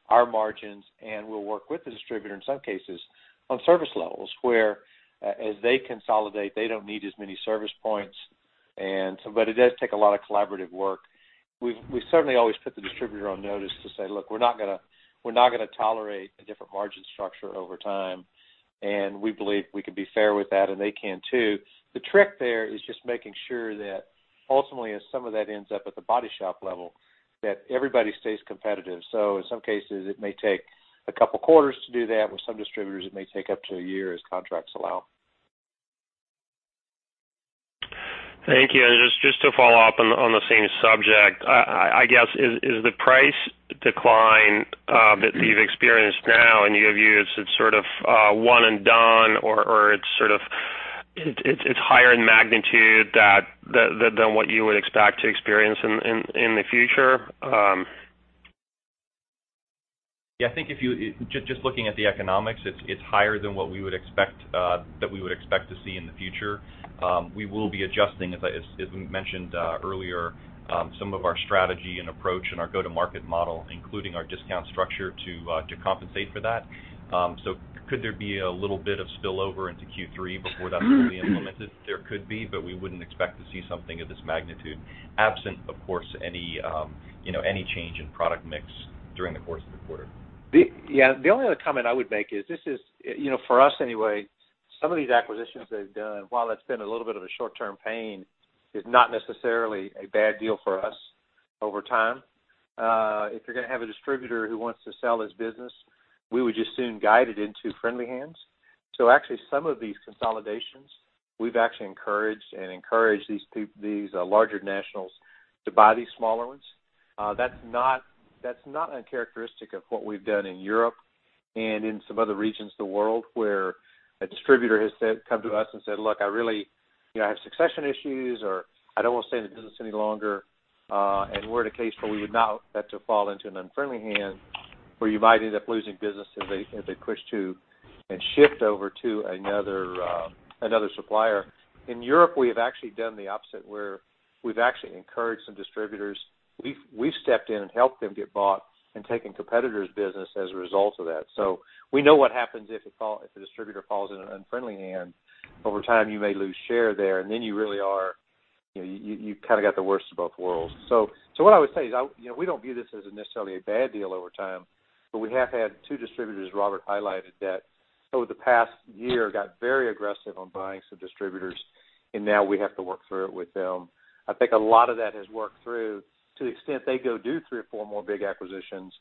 our margins, and we'll work with the distributor in some cases on service levels, where as they consolidate, they don't need as many service points. It does take a lot of collaborative work. We've certainly always put the distributor on notice to say, "Look, we're not going to tolerate a different margin structure over time." We believe we can be fair with that, and they can too. The trick there is just making sure that ultimately, as some of that ends up at the body shop level, that everybody stays competitive. In some cases, it may take a couple of quarters to do that. With some distributors, it may take up to a year, as contracts allow. Thank you. Just to follow up on the same subject. I guess, is the price decline, that you've experienced now, and you view as sort of one and done or it's higher in magnitude than what you would expect to experience in the future? Yeah, I think just looking at the economics, it's higher than what we would expect to see in the future. We will be adjusting, as we mentioned earlier, some of our strategy and approach and our go-to-market model, including our discount structure, to compensate for that. Could there be a little bit of spillover into Q3 before that's fully implemented? There could be, but we wouldn't expect to see something of this magnitude, absent, of course, any change in product mix during the course of the quarter. Yeah. The only other comment I would make is, for us anyway, some of these acquisitions they've done, while it's been a little bit of a short-term pain, is not necessarily a bad deal for us over time. If you're going to have a distributor who wants to sell his business, we would just as soon guide it into friendly hands. Actually, some of these consolidations, we've actually encouraged and encouraged these larger nationals to buy these smaller ones. That's not uncharacteristic of what we've done in Europe and in some other regions of the world, where a distributor has come to us and said, "Look, I have succession issues," or, "I don't want to stay in the business any longer." We're in a case where we would not like that to fall into an unfriendly hand, where you might end up losing business as they push to and shift over to another supplier. In Europe, we have actually done the opposite, where we've actually encouraged some distributors. We've stepped in and helped them get bought and taken competitors' business as a result of that. We know what happens if a distributor falls in an unfriendly hand. Over time, you may lose share there, and then you kind of got the worst of both worlds. What I would say is, we don't view this as necessarily a bad deal over time, but we have had two distributors, Robert highlighted, that over the past year got very aggressive on buying some distributors and now we have to work through it with them. I think a lot of that has worked through to the extent they go do three or four more big acquisitions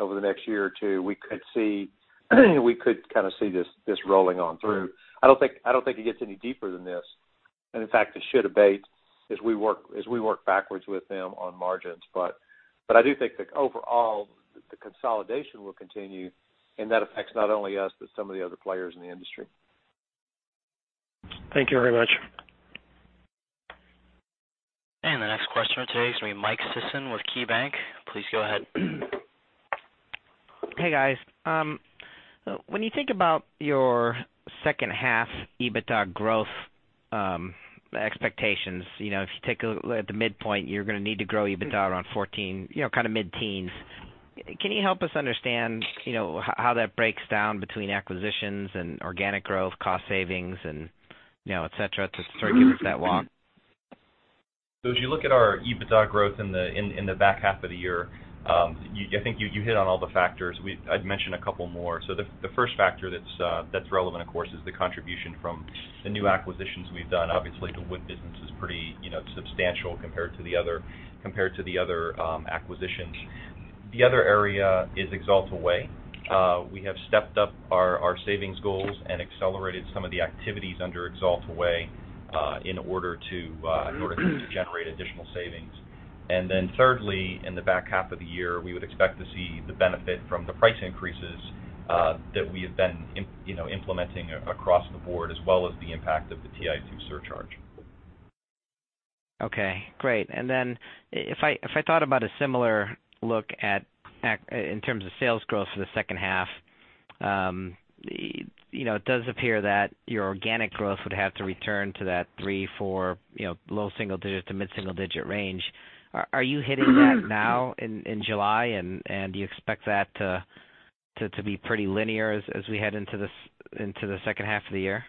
over the next year or two, we could kind of see this rolling on through. I don't think it gets any deeper than this, and in fact, it should abate as we work backwards with them on margins. I do think that overall, the consolidation will continue, and that affects not only us, but some of the other players in the industry. Thank you very much. The next question today is going to be Michael Sison with KeyBanc. Please go ahead. Hey, guys. When you think about your second half EBITDA growth expectations, if you take a look at the midpoint, you're going to need to grow EBITDA around 14%, kind of mid-teens. Can you help us understand how that breaks down between acquisitions and organic growth, cost savings and et cetera, to sort of give us that walk? As you look at our EBITDA growth in the back half of the year, I think you hit on all the factors. I'd mention a couple more. The first factor that's relevant, of course, is the contribution from the new acquisitions we've done. Obviously, the Wood business is pretty substantial compared to the other acquisitions. The other area is The Axalta Way. We have stepped up our savings goals and accelerated some of the activities under The Axalta Way, in order to generate additional savings. Thirdly, in the back half of the year, we would expect to see the benefit from the price increases that we have been implementing across the board, as well as the impact of the TiO2 surcharge. Okay, great. If I thought about a similar look in terms of sales growth for the second half, it does appear that your organic growth would have to return to that 3%, 4%, low single-digit to mid-single-digit range. Are you hitting that now in July, and do you expect that to be pretty linear as we head into the second half of the year?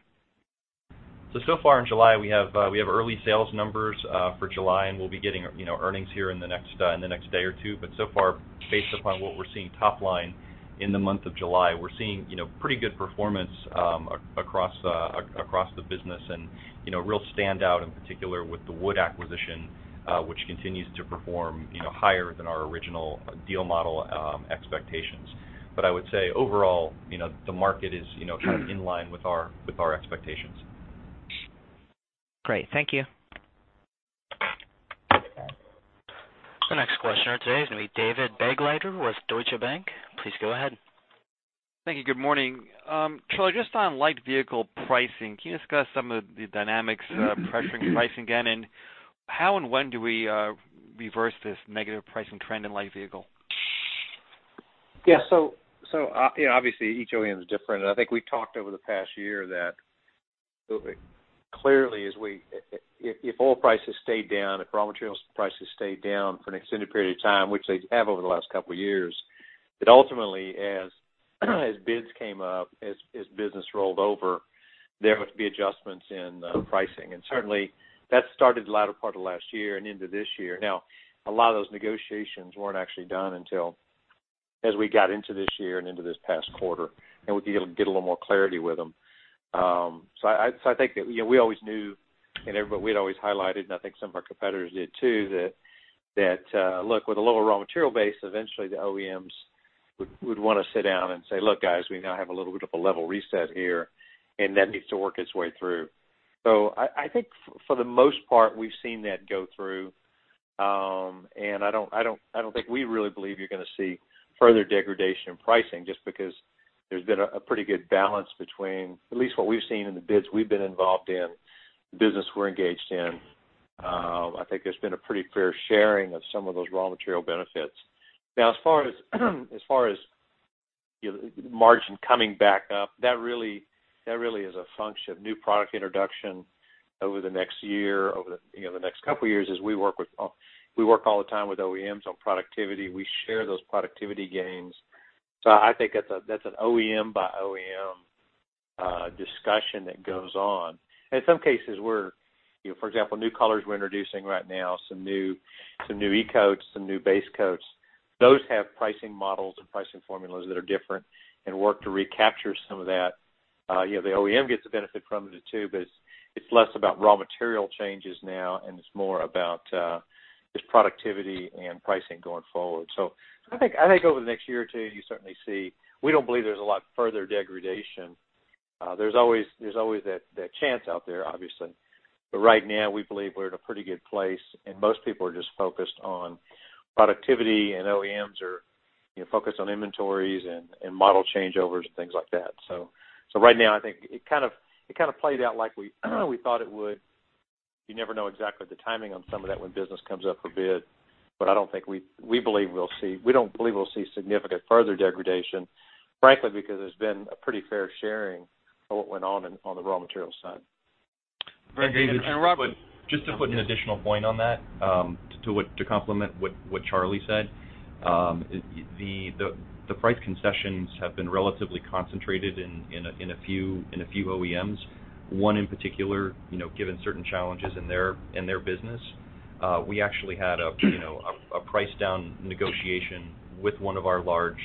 So far in July, we have early sales numbers for July, and we'll be getting earnings here in the next day or two. So far, based upon what we're seeing top line in the month of July, we're seeing pretty good performance across the business and a real standout in particular with the Wood acquisition, which continues to perform higher than our original deal model expectations. I would say overall, the market is kind of in line with our expectations. Great. Thank you. The next questioner today is going to be David Begleiter with Deutsche Bank. Please go ahead. Thank you. Good morning. Charlie, just on light vehicle pricing, can you discuss some of the dynamics pressuring price again, and how and when do we reverse this negative pricing trend in light vehicle? Obviously each OEM is different, and I think we talked over the past year that Clearly, if oil prices stay down, if raw materials prices stay down for an extended period of time, which they have over the last couple of years, that ultimately as bids came up, as business rolled over, there would be adjustments in pricing. Certainly, that started the latter part of last year and into this year. A lot of those negotiations weren't actually done until as we got into this year and into this past quarter, and we'd be able to get a little more clarity with them. I think we always knew, and we had always highlighted, and I think some of our competitors did too, that, look, with a lower raw material base, eventually the OEMs would want to sit down and say, "Look, guys, we now have a little bit of a level reset here," and that needs to work its way through. I think for the most part, we've seen that go through. I don't think we really believe you're going to see further degradation in pricing just because there's been a pretty good balance between at least what we've seen in the bids we've been involved in, the business we're engaged in. I think there's been a pretty fair sharing of some of those raw material benefits. As far as margin coming back up, that really is a function of new product introduction over the next year, over the next couple of years, as we work all the time with OEMs on productivity. We share those productivity gains. I think that's an OEM by OEM discussion that goes on. In some cases, for example, new colors we're introducing right now, some new e-coats, some new base coats. Those have pricing models and pricing formulas that are different and work to recapture some of that. The OEM gets a benefit from it too, but it's less about raw material changes now and it's more about just productivity and pricing going forward. I think over the next year or two, you certainly see, we don't believe there's a lot further degradation. There's always that chance out there, obviously. Right now, we believe we're in a pretty good place, and most people are just focused on productivity, and OEMs are focused on inventories and model changeovers and things like that. Right now, I think it kind of played out like we thought it would. You never know exactly the timing on some of that when business comes up for bid, but we don't believe we'll see significant further degradation, frankly, because there's been a pretty fair sharing of what went on on the raw material side. Very good. Robert. Just to put an additional point on that, to complement what Charlie said. The price concessions have been relatively concentrated in a few OEMs. One in particular, given certain challenges in their business. We actually had a price down negotiation with one of our large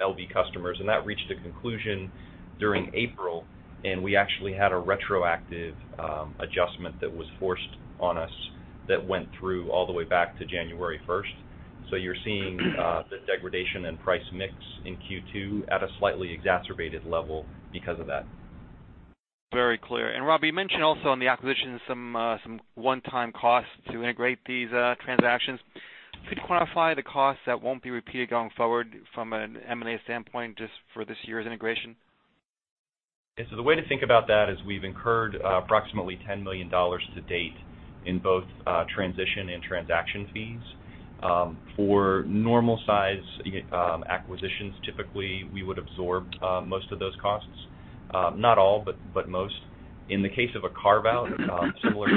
LV customers, and that reached a conclusion during April, and we actually had a retroactive adjustment that was forced on us that went through all the way back to January 1st. You're seeing the degradation in price mix in Q2 at a slightly exacerbated level because of that. Very clear. Rob, you mentioned also on the acquisition some one-time costs to integrate these transactions. Could you quantify the costs that won't be repeated going forward from an M&A standpoint just for this year's integration? The way to think about that is we've incurred approximately $10 million to date in both transition and transaction fees. For normal size acquisitions, typically, we would absorb most of those costs. Not all, but most. In the case of a carve-out, similar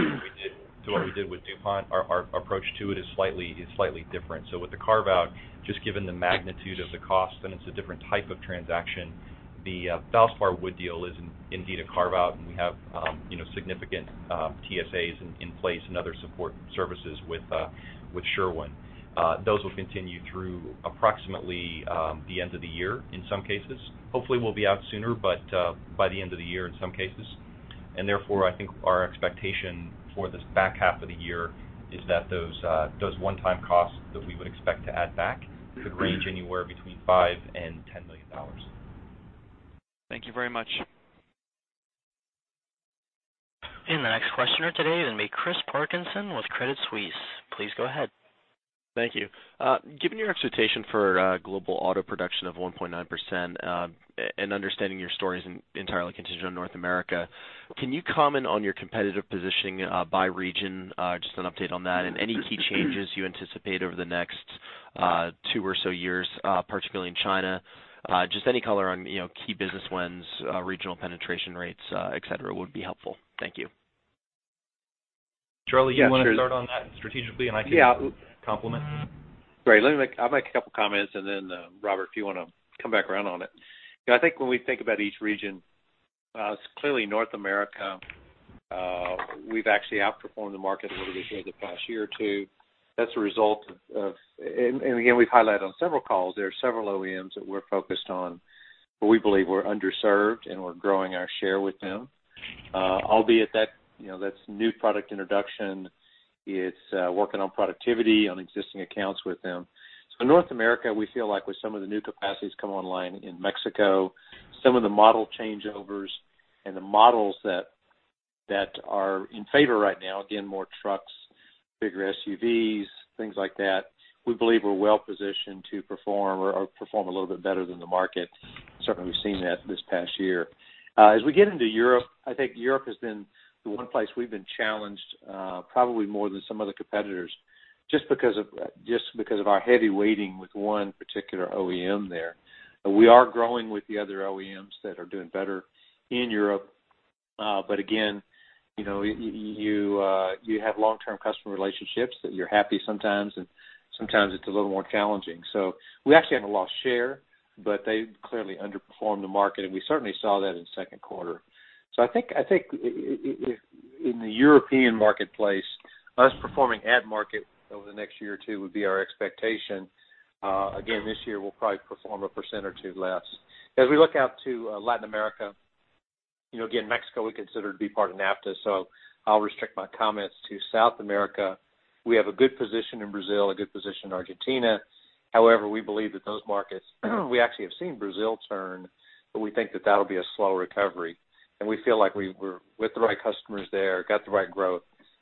to what we did with DuPont, our approach to it is slightly different. With the carve-out, just given the magnitude of the cost, and it's a different type of transaction. The Valspar wood deal is indeed a carve-out, and we have significant TSAs in place and other support services with Sherwin-Williams. Those will continue through approximately the end of the year in some cases. Hopefully, we'll be out sooner, but by the end of the year in some cases. Therefore, I think our expectation for this back half of the year is that those one-time costs that we would expect to add back could range anywhere between $5 million and $10 million. Thank you very much. The next questioner today will be Chris Parkinson with Credit Suisse. Please go ahead. Thank you. Given your expectation for global auto production of 1.9%, and understanding your story isn't entirely contingent on North America, can you comment on your competitive positioning by region? Just an update on that, and any key changes you anticipate over the next two or so years, particularly in China. Just any color on key business wins, regional penetration rates, et cetera, would be helpful. Thank you. Charlie, you want to start on that strategically, and I can complement? Great. I'll make a couple comments, and then, Robert, if you want to come back around on it. I think when we think about each region, clearly North America, we've actually outperformed the market a little bit here the past year or two. Again, we've highlighted on several calls, there are several OEMs that we're focused on, where we believe we're underserved, and we're growing our share with them. Albeit that's new product introduction. It's working on productivity on existing accounts with them. North America, we feel like with some of the new capacities come online in Mexico, some of the model changeovers and the models that are in favor right now, again, more trucks, bigger SUVs, things like that. We believe we're well positioned to perform or perform a little bit better than the market. Certainly, we've seen that this past year. We get into Europe, I think Europe has been the one place we've been challenged probably more than some other competitors. Just because of our heavy weighting with one particular OEM there. We are growing with the other OEMs that are doing better in Europe. Again, you have long-term customer relationships that you're happy sometimes, and sometimes it's a little more challenging. We actually haven't lost share, but they clearly underperformed the market, and we certainly saw that in the second quarter. I think in the European marketplace, us performing at market over the next year or two would be our expectation. Again, this year, we'll probably perform 1% or 2% less. As we look out to Latin America, again, Mexico we consider to be part of NAFTA, so I'll restrict my comments to South America. We have a good position in Brazil, a good position in Argentina. However, we believe that those markets, we actually have seen Brazil turn, but we think that that'll be a slow recovery, and we feel like we're with the right customers there, got the right growth,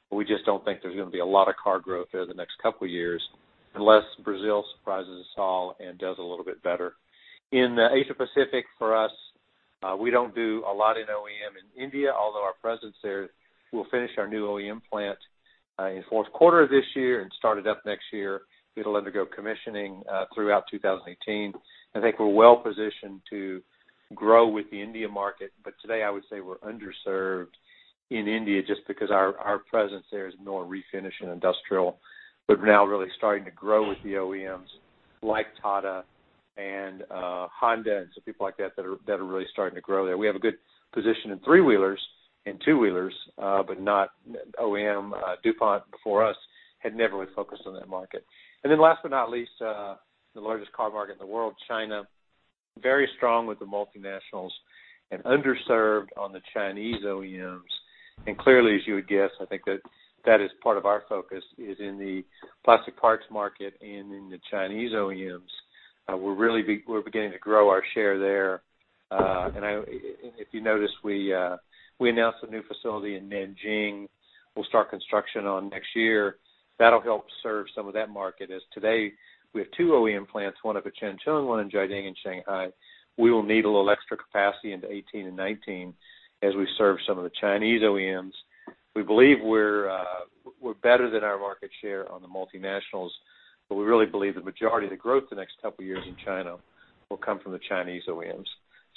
but we just don't think there's going to be a lot of car growth there the next couple of years, unless Brazil surprises us all and does a little bit better. In Asia Pacific, for us, we don't do a lot in OEM in India, although our presence there, we'll finish our new OEM plant in the fourth quarter of this year and start it up next year. It'll undergo commissioning throughout 2018. I think we're well-positioned to grow with the Indian market. Today, I would say we're underserved in India just because our presence there is more refinish and industrial. We're now really starting to grow with the OEMs like Tata Motors and Honda and some people like that who are really starting to grow there. We have a good position in three-wheelers and two-wheelers, but not OEM. DuPont, before us, had never really focused on that market. Last but not least, the largest car market in the world, China. Very strong with the multinationals and underserved on the Chinese OEMs. Clearly, as you would guess, I think that that is part of our focus is in the plastic parts market and in the Chinese OEMs. We're beginning to grow our share there. If you notice, we announced a new facility in Nanjing we'll start construction on next year. That'll help serve some of that market, as today we have 2 OEM plants, one up at Shenzhen, one in Jiading in Shanghai. We will need a little extra capacity into 2018 and 2019 as we serve some of the Chinese OEMs. We believe we're better than our market share on the multinationals, but we really believe the majority of the growth the next couple of years in China will come from the Chinese OEMs.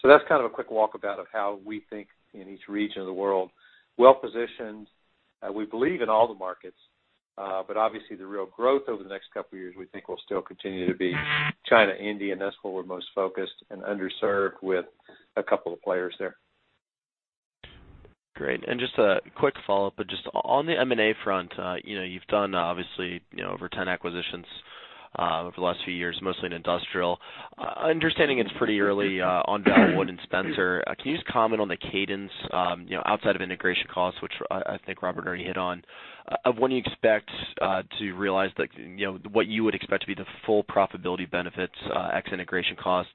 That's kind of a quick walkabout of how we think in each region of the world. Well-positioned. We believe in all the markets. Obviously, the real growth over the next couple of years we think will still continue to be China, India, and that's where we're most focused and underserved with a couple of players there. Great. Just a quick follow-up on the M&A front, you've done obviously over 10 acquisitions over the last few years, mostly in industrial. Understanding it's pretty early on Bellwood and Spencer, can you just comment on the cadence, outside of integration costs, which I think Robert already hit on, of when you expect to realize what you would expect to be the full profitability benefits ex-integration costs?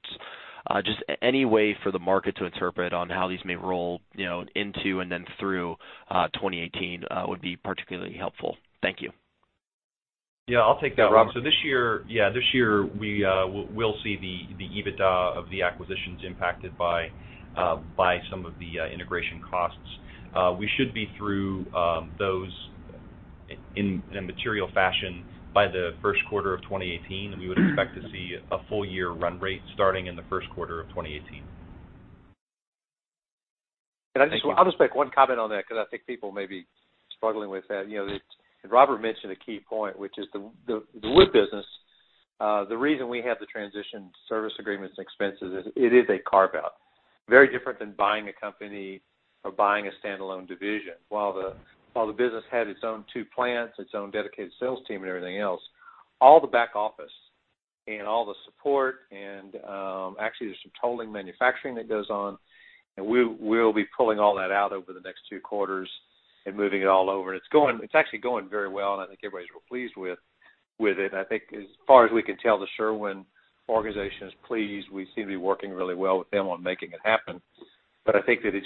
Just any way for the market to interpret on how these may roll into and then through 2018 would be particularly helpful. Thank you. I'll take that, Robert. This year, we will see the EBITDA of the acquisitions impacted by some of the integration costs. We should be through those in a material fashion by the first quarter of 2018, we would expect to see a full-year run rate starting in the first quarter of 2018. Thank you. I'll just make one comment on that because I think people may be struggling with that. Robert mentioned a key point, which is the wood business. The reason we have the transition service agreements and expenses is it is a carve-out. Very different than buying a company or buying a standalone division. While the business had its own two plants, its own dedicated sales team, and everything else, all the back office and all the support, and actually, there's some tolling manufacturing that goes on, and we'll be pulling all that out over the next two quarters and moving it all over. It's actually going very well, and I think everybody's real pleased with it. I think as far as we can tell, the Sherwin-Williams organization is pleased. We seem to be working really well with them on making it happen. I think that it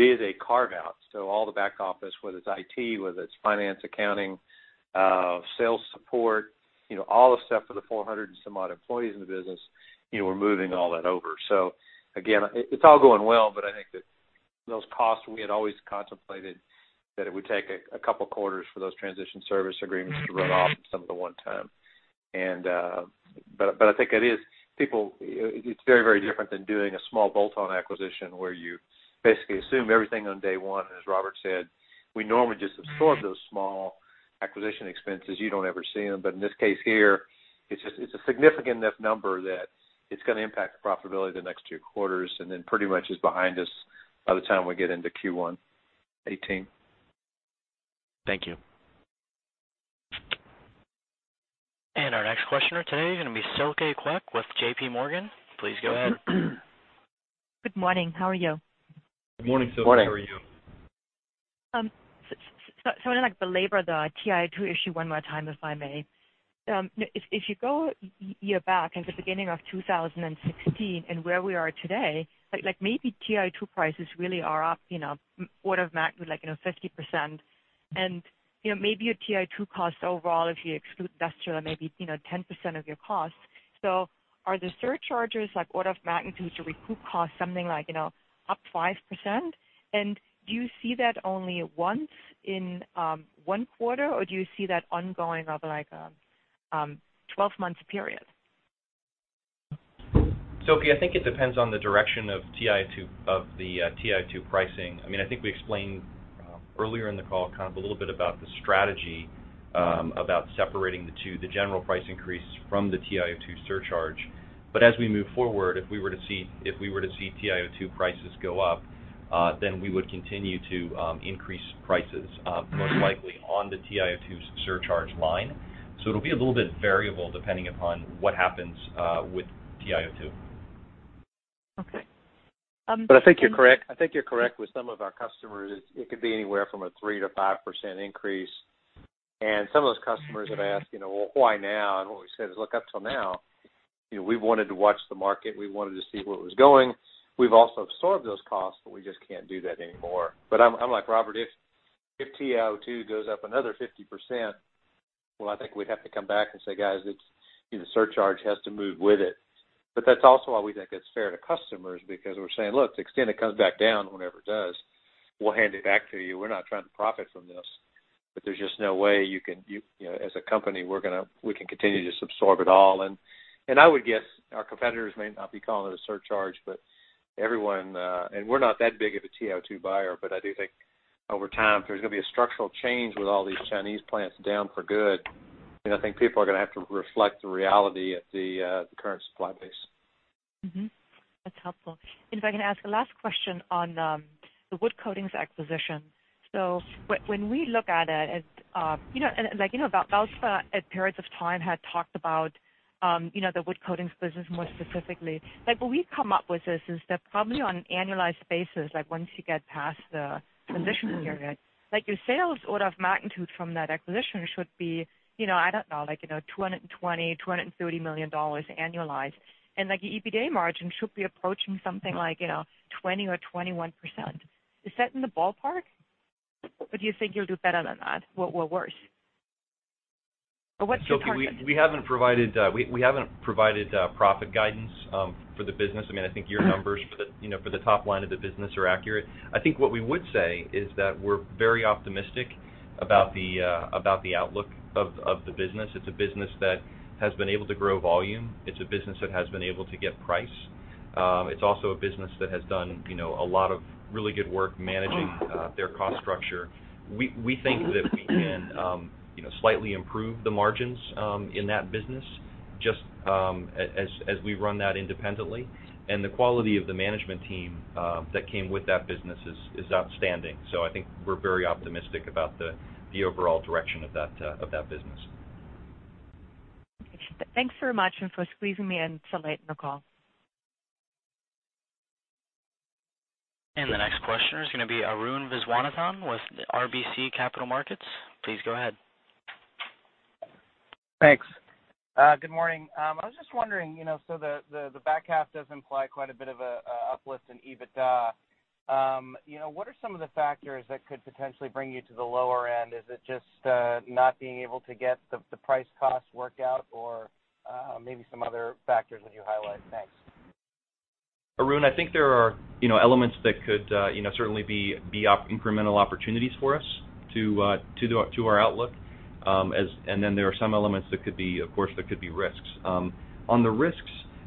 is a carve-out. All the back office, whether it's IT, whether it's finance, accounting, sales support, all the stuff for the 400-and-some-odd employees in the business, we're moving all that over. Again, it's all going well, but I think that those costs we had always contemplated that it would take a couple of quarters for those transition service agreements to run off some of the one-time. I think it's very, very different than doing a small bolt-on acquisition where you basically assume everything on day one. As Robert said, we normally just absorb those small acquisition expenses. You don't ever see them. In this case here, it's a significant enough number that it's going to impact the profitability the next 2 quarters and then pretty much is behind us by the time we get into Q1 2018. Thank you. Our next questioner today is going to be Silke Kwek with JPMorgan. Please go ahead. Good morning. How are you? Good morning, Silke. How are you? Morning. I want to belabor the TiO2 issue one more time, if I may. If you go one year back at the beginning of 2016 and where we are today, maybe TiO2 prices really are up, order of magnitude, 50%. Maybe your TiO2 costs overall, if you exclude industrial, are maybe 10% of your costs. Are the surcharges order of magnitude to recoup cost something like up 5%? Do you see that only once in one quarter, or do you see that ongoing over a 12-month period? Silke, I think it depends on the direction of the TiO2 pricing. I think we explained earlier in the call kind of a little bit about the strategy, about separating the two, the general price increases from the TiO2 surcharge. As we move forward, if we were to see TiO2 prices go up, we would continue to increase prices, most likely on the TiO2 surcharge line. It'll be a little bit variable depending upon what happens with TiO2. Okay. I think you're correct. I think you're correct. With some of our customers, it could be anywhere from a 3%-5% increase. Some of those customers have asked, "Well, why now?" What we said is, "Look, up till now, we wanted to watch the market. We wanted to see where it was going. We've also absorbed those costs, but we just can't do that anymore." I'm like Robert, if TiO2 goes up another 50%, well, I think we'd have to come back and say, "Guys, the surcharge has to move with it." That's also why we think it's fair to customers, because we're saying, "Look, to the extent it comes back down, whenever it does, we'll hand it back to you. We're not trying to profit from this." There's just no way, as a company, we can continue to just absorb it all. I would guess our competitors may not be calling it a surcharge, we're not that big of a TiO2 buyer, but I do think over time, if there's going to be a structural change with all these Chinese plants down for good, I think people are going to have to reflect the reality at the current supply base. Mm-hmm. That's helpful. If I can ask a last question on the Wood Coatings acquisition. When we look at it, Valspar at periods of time had talked about the Wood Coatings business more specifically. What we come up with this is that probably on an annualized basis, once you get past the acquisition period, your sales order of magnitude from that acquisition should be, I don't know, $220 million, $230 million annualized. Your EBITDA margin should be approaching something like 20% or 21%. Is that in the ballpark? Or do you think you'll do better than that, or worse? Or what's your target? Silke, we haven't provided profit guidance for the business. I think your numbers for the top line of the business are accurate. I think what we would say is that we're very optimistic about the outlook of the business. It's a business that has been able to grow volume. It's a business that has been able to get price. It's also a business that has done a lot of really good work managing their cost structure. We think that we can slightly improve the margins in that business just as we run that independently. The quality of the management team that came with that business is outstanding. I think we're very optimistic about the overall direction of that business. Thanks very much, for squeezing me in so late in the call. The next questioner is going to be Arun Viswanathan with RBC Capital Markets. Please go ahead. Thanks. Good morning. I was just wondering, the back half does imply quite a bit of a uplift in EBITDA. What are some of the factors that could potentially bring you to the lower end? Is it just not being able to get the price cost worked out or maybe some other factors that you highlight? Thanks. Arun, I think there are elements that could certainly be incremental opportunities for us to our outlook. There are some elements that could be, of course, that could be risks. On the risks,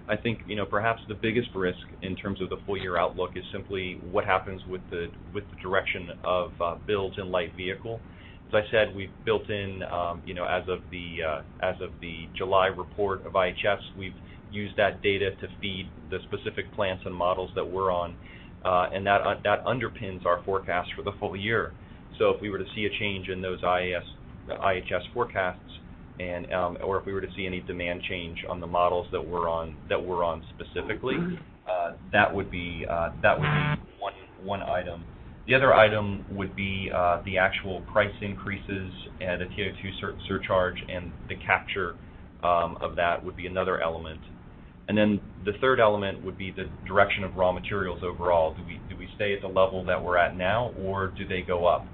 I think perhaps the biggest risk in terms of the full-year outlook is simply what happens with the direction of builds in light vehicle. As I said, we've built in as of the July report of IHS, we've used that data to feed the specific plants and models that we're on. That underpins our forecast for the full year. If we were to see a change in those IHS forecasts or if we were to see any demand change on the models that we're on specifically, that would be one item. The other item would be the actual price increases and the TiO2 surcharge and the capture of that would be another element. The third element would be the direction of raw materials overall. Do we stay at the level that we're at now, or do they go up?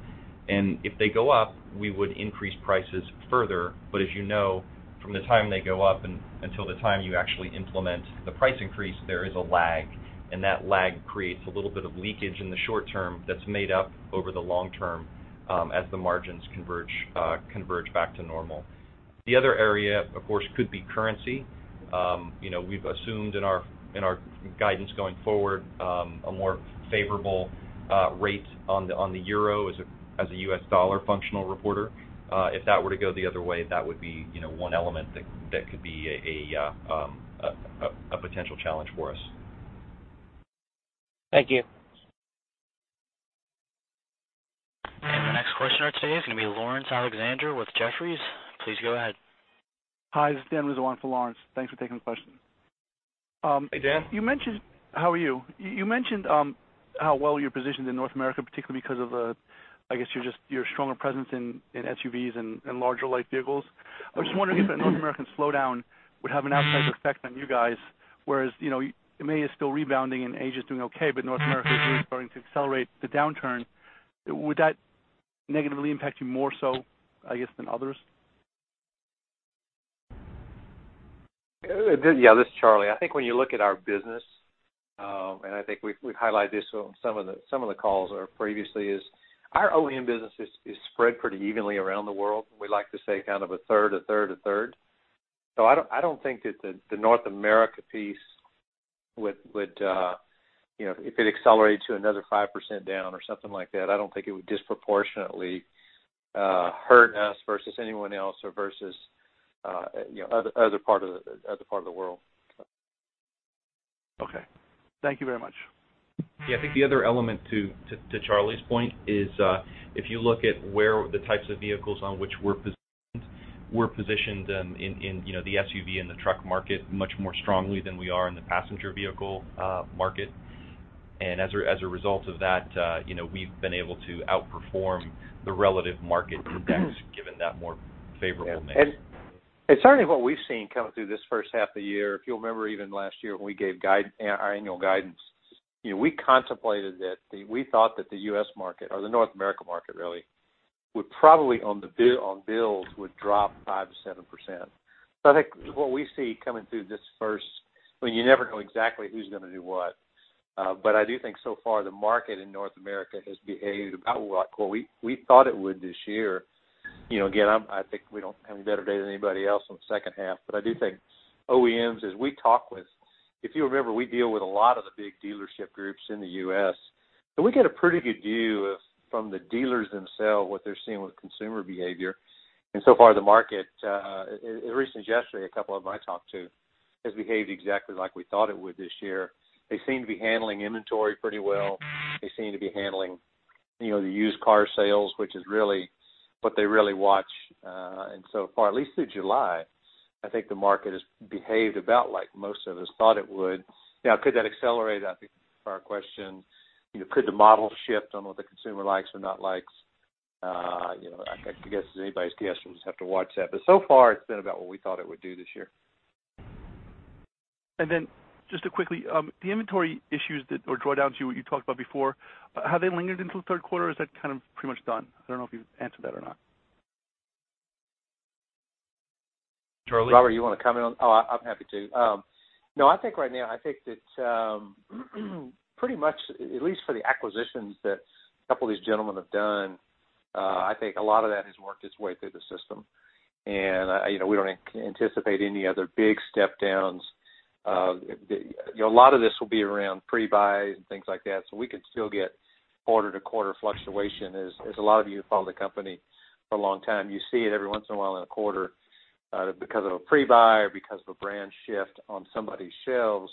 If they go up, we would increase prices further. As you know, from the time they go up until the time you actually implement the price increase, there is a lag, and that lag creates a little bit of leakage in the short term that's made up over the long term as the margins converge back to normal. The other area, of course, could be currency. We've assumed in our guidance going forward, a more favorable rate on the euro as a US dollar functional reporter. If that were to go the other way, that would be one element that could be a potential challenge for us. Thank you. The next questioner today is going to be Laurence Alexander with Jefferies. Please go ahead. Hi, this is Dan Viswanathan for Laurence. Thanks for taking the question. Hey, Dan. How are you? You mentioned how well you're positioned in North America, particularly because of, I guess, your stronger presence in SUVs and larger light vehicles. I was just wondering if that North American slowdown would have an outsized effect on you guys, whereas EMEA is still rebounding and Asia is doing okay, but North America is really starting to accelerate the downturn. Would that negatively impact you more so, I guess, than others? Yeah, this is Charlie. I think when you look at our business, and I think we've highlighted this on some of the calls previously, is our OEM business is spread pretty evenly around the world. We like to say kind of a third, a third, a third. I don't think that the North America piece, if it accelerates to another 5% down or something like that, I don't think it would disproportionately hurt us versus anyone else or versus other part of the world. Okay. Thank you very much. Yeah. I think the other element, to Charlie's point, is if you look at where the types of vehicles on which we're positioned, we're positioned in the SUV and the truck market much more strongly than we are in the passenger vehicle market. As a result of that, we've been able to outperform the relative market index, given that more favorable mix. Yeah. Certainly what we've seen coming through this first half of the year, if you'll remember even last year when we gave our annual guidance, we contemplated that we thought that the U.S. market, or the North America market really, would probably on builds would drop 5%-7%. I think what we see coming through well, you never know exactly who's going to do what. I do think so far the market in North America has behaved about like what we thought it would this year. Again, I think we don't have any better data than anybody else on the second half. I do think OEMs, as we talk with, if you remember, we deal with a lot of the big dealership groups in the U.S., so we get a pretty good view from the dealers themselves, what they're seeing with consumer behavior. So far, the market, as recent as yesterday, a couple of them I talked to, has behaved exactly like we thought it would this year. They seem to be handling inventory pretty well. They seem to be handling the used car sales, which is really what they really watch. So far, at least through July, I think the market has behaved about like most of us thought it would. Now, could that accelerate? I think to our question, could the model shift on what the consumer likes or not likes? I guess as anybody's guess, we'll just have to watch that. So far, it's been about what we thought it would do this year. Then just quickly, the inventory issues or drawdowns you talked about before, have they lingered into the third quarter, or is that kind of pretty much done? I don't know if you've answered that or not. Charlie? Robert, you want to comment on that? Oh, I'm happy to. No, I think right now, I think that pretty much, at least for the acquisitions that a couple of these gentlemen have done, I think a lot of that has worked its way through the system. We don't anticipate any other big step downs. A lot of this will be around pre-buy and things like that, so we could still get quarter-to-quarter fluctuation. As a lot of you who follow the company for a long time, you see it every once in a while in a quarter because of a pre-buy or because of a brand shift on somebody's shelves,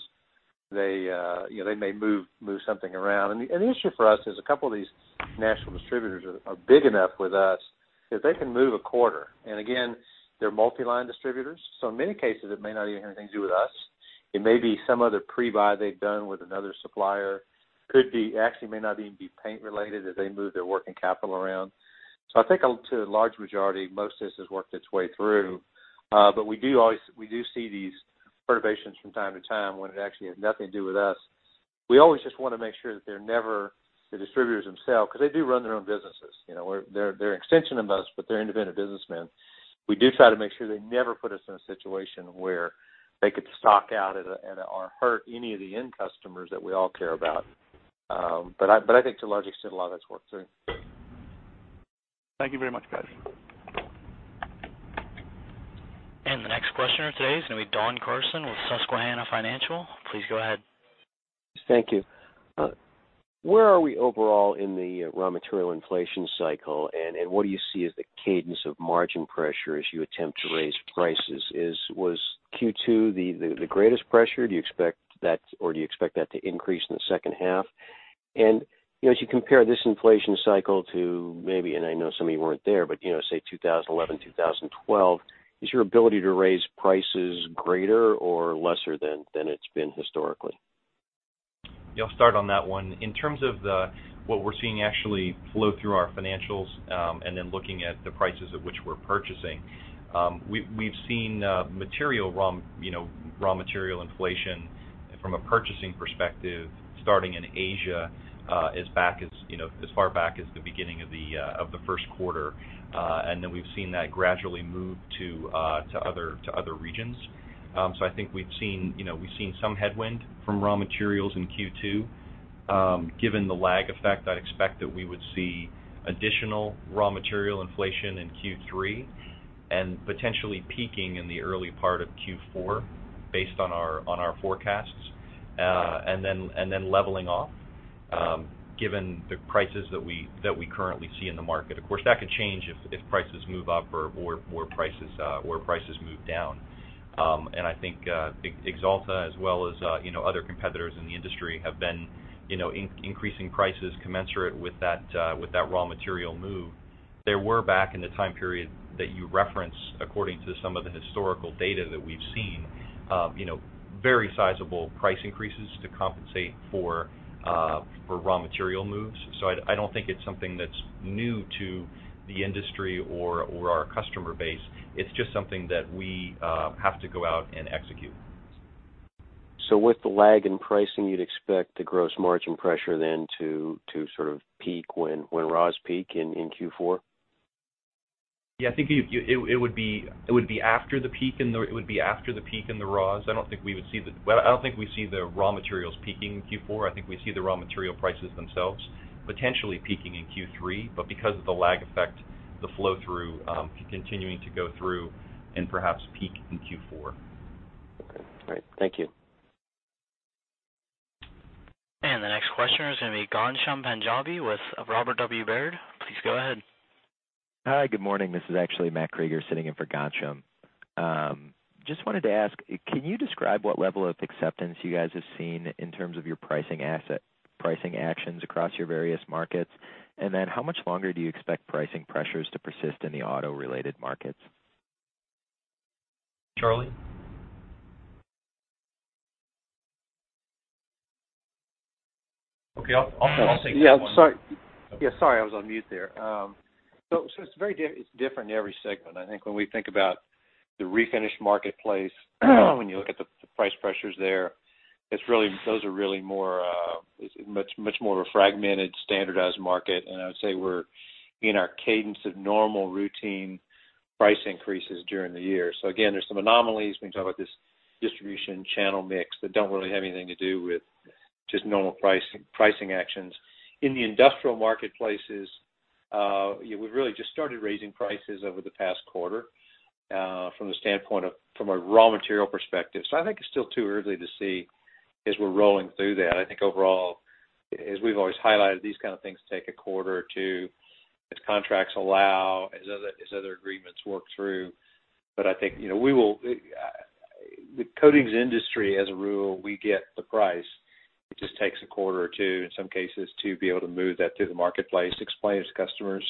they may move something around. The issue for us is a couple of these national distributors are big enough with us that they can move a quarter. Again, they're multi-line distributors, in many cases, it may not even have anything to do with us. It may be some other pre-buy they've done with another supplier. Could be, actually may not even be paint related as they move their working capital around. I think to a large majority, most of this has worked its way through. We do see these perturbations from time to time when it actually has nothing to do with us. We always just want to make sure that they're never the distributors themselves, because they do run their own businesses. They're an extension of us, but they're independent businessmen. We do try to make sure they never put us in a situation where they could stock out or hurt any of the end customers that we all care about. I think to a large extent, a lot of that's worked through. Thank you very much, guys. The next questioner today is going to be Don Carson with Susquehanna Financial. Please go ahead. Thank you. Where are we overall in the raw material inflation cycle, and what do you see as the cadence of margin pressure as you attempt to raise prices? Was Q2 the greatest pressure? Do you expect that to increase in the second half? As you compare this inflation cycle to maybe, and I know some of you weren't there, but say, 2011, 2012, is your ability to raise prices greater or lesser than it's been historically? Yeah, I'll start on that one. In terms of what we're seeing actually flow through our financials, then looking at the prices at which we're purchasing, we've seen raw material inflation from a purchasing perspective starting in Asia as far back as the beginning of the first quarter. Then we've seen that gradually move to other regions. I think we've seen some headwind from raw materials in Q2. Given the lag effect, I'd expect that we would see additional raw material inflation in Q3, and potentially peaking in the early part of Q4 based on our forecasts, then leveling off, given the prices that we currently see in the market. Of course, that could change if prices move up or prices move down. I think Axalta, as well as other competitors in the industry, have been increasing prices commensurate with that raw material move. There were, back in the time period that you referenced, according to some of the historical data that we've seen, very sizable price increases to compensate for raw material moves. I don't think it's something that's new to the industry or our customer base. It's just something that we have to go out and execute. With the lag in pricing, you'd expect the gross margin pressure then to sort of peak when raws peak in Q4? Yeah, I think it would be after the peak in the raws. I don't think we see the raw materials peaking in Q4. I think we see the raw material prices themselves potentially peaking in Q3. Because of the lag effect, the flow-through continuing to go through and perhaps peak in Q4. Okay. All right. Thank you. The next questioner is going to be Ghansham Panjabi with Robert W. Baird. Please go ahead. Hi, good morning. This is actually Matthew Krueger sitting in for Ghansham. Just wanted to ask, can you describe what level of acceptance you guys have seen in terms of your pricing actions across your various markets? Then how much longer do you expect pricing pressures to persist in the auto-related markets? Charlie? Okay, I'll take that one. Yeah, sorry, I was on mute there. It's different in every segment. I think when we think about the refinish marketplace, when you look at the price pressures there, those are really much more of a fragmented, standardized market. I would say we're in our cadence of normal routine price increases during the year. Again, there's some anomalies when you talk about this distribution channel mix, that don't really have anything to do with just normal pricing actions. In the industrial marketplaces, we've really just started raising prices over the past quarter, from a raw material perspective. I think it's still too early to see as we're rolling through that. I think overall, as we've always highlighted, these kind of things take a quarter or two, as contracts allow, as other agreements work through. I think, the coatings industry, as a rule, we get the price. It just takes a quarter or two in some cases to be able to move that through the marketplace, explain it to customers,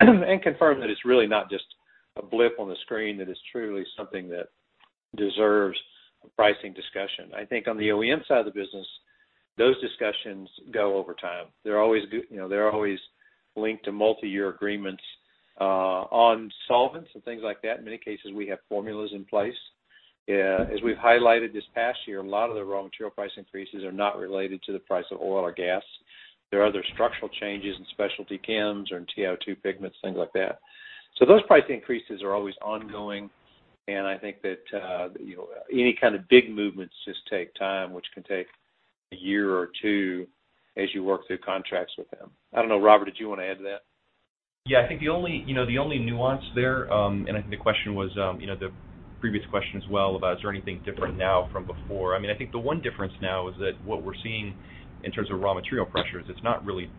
and confirm that it's really not just a blip on the screen, that it's truly something that deserves a pricing discussion. I think on the OEM side of the business, those discussions go over time. They're always linked to multi-year agreements. On solvents and things like that, in many cases, we have formulas in place. As we've highlighted this past year, a lot of the raw material price increases are not related to the price of oil or gas. There are other structural changes in specialty chems or in TiO2 pigments, things like that. Those price increases are always ongoing, and I think that any kind of big movements just take time, which can take a year or two as you work through contracts with them. I don't know, Robert, did you want to add to that? Yeah, I think the only nuance there, and I think the previous question as well, about is there anything different now from before? I think the one difference now is that what we're seeing in terms of raw material pressures, it's not really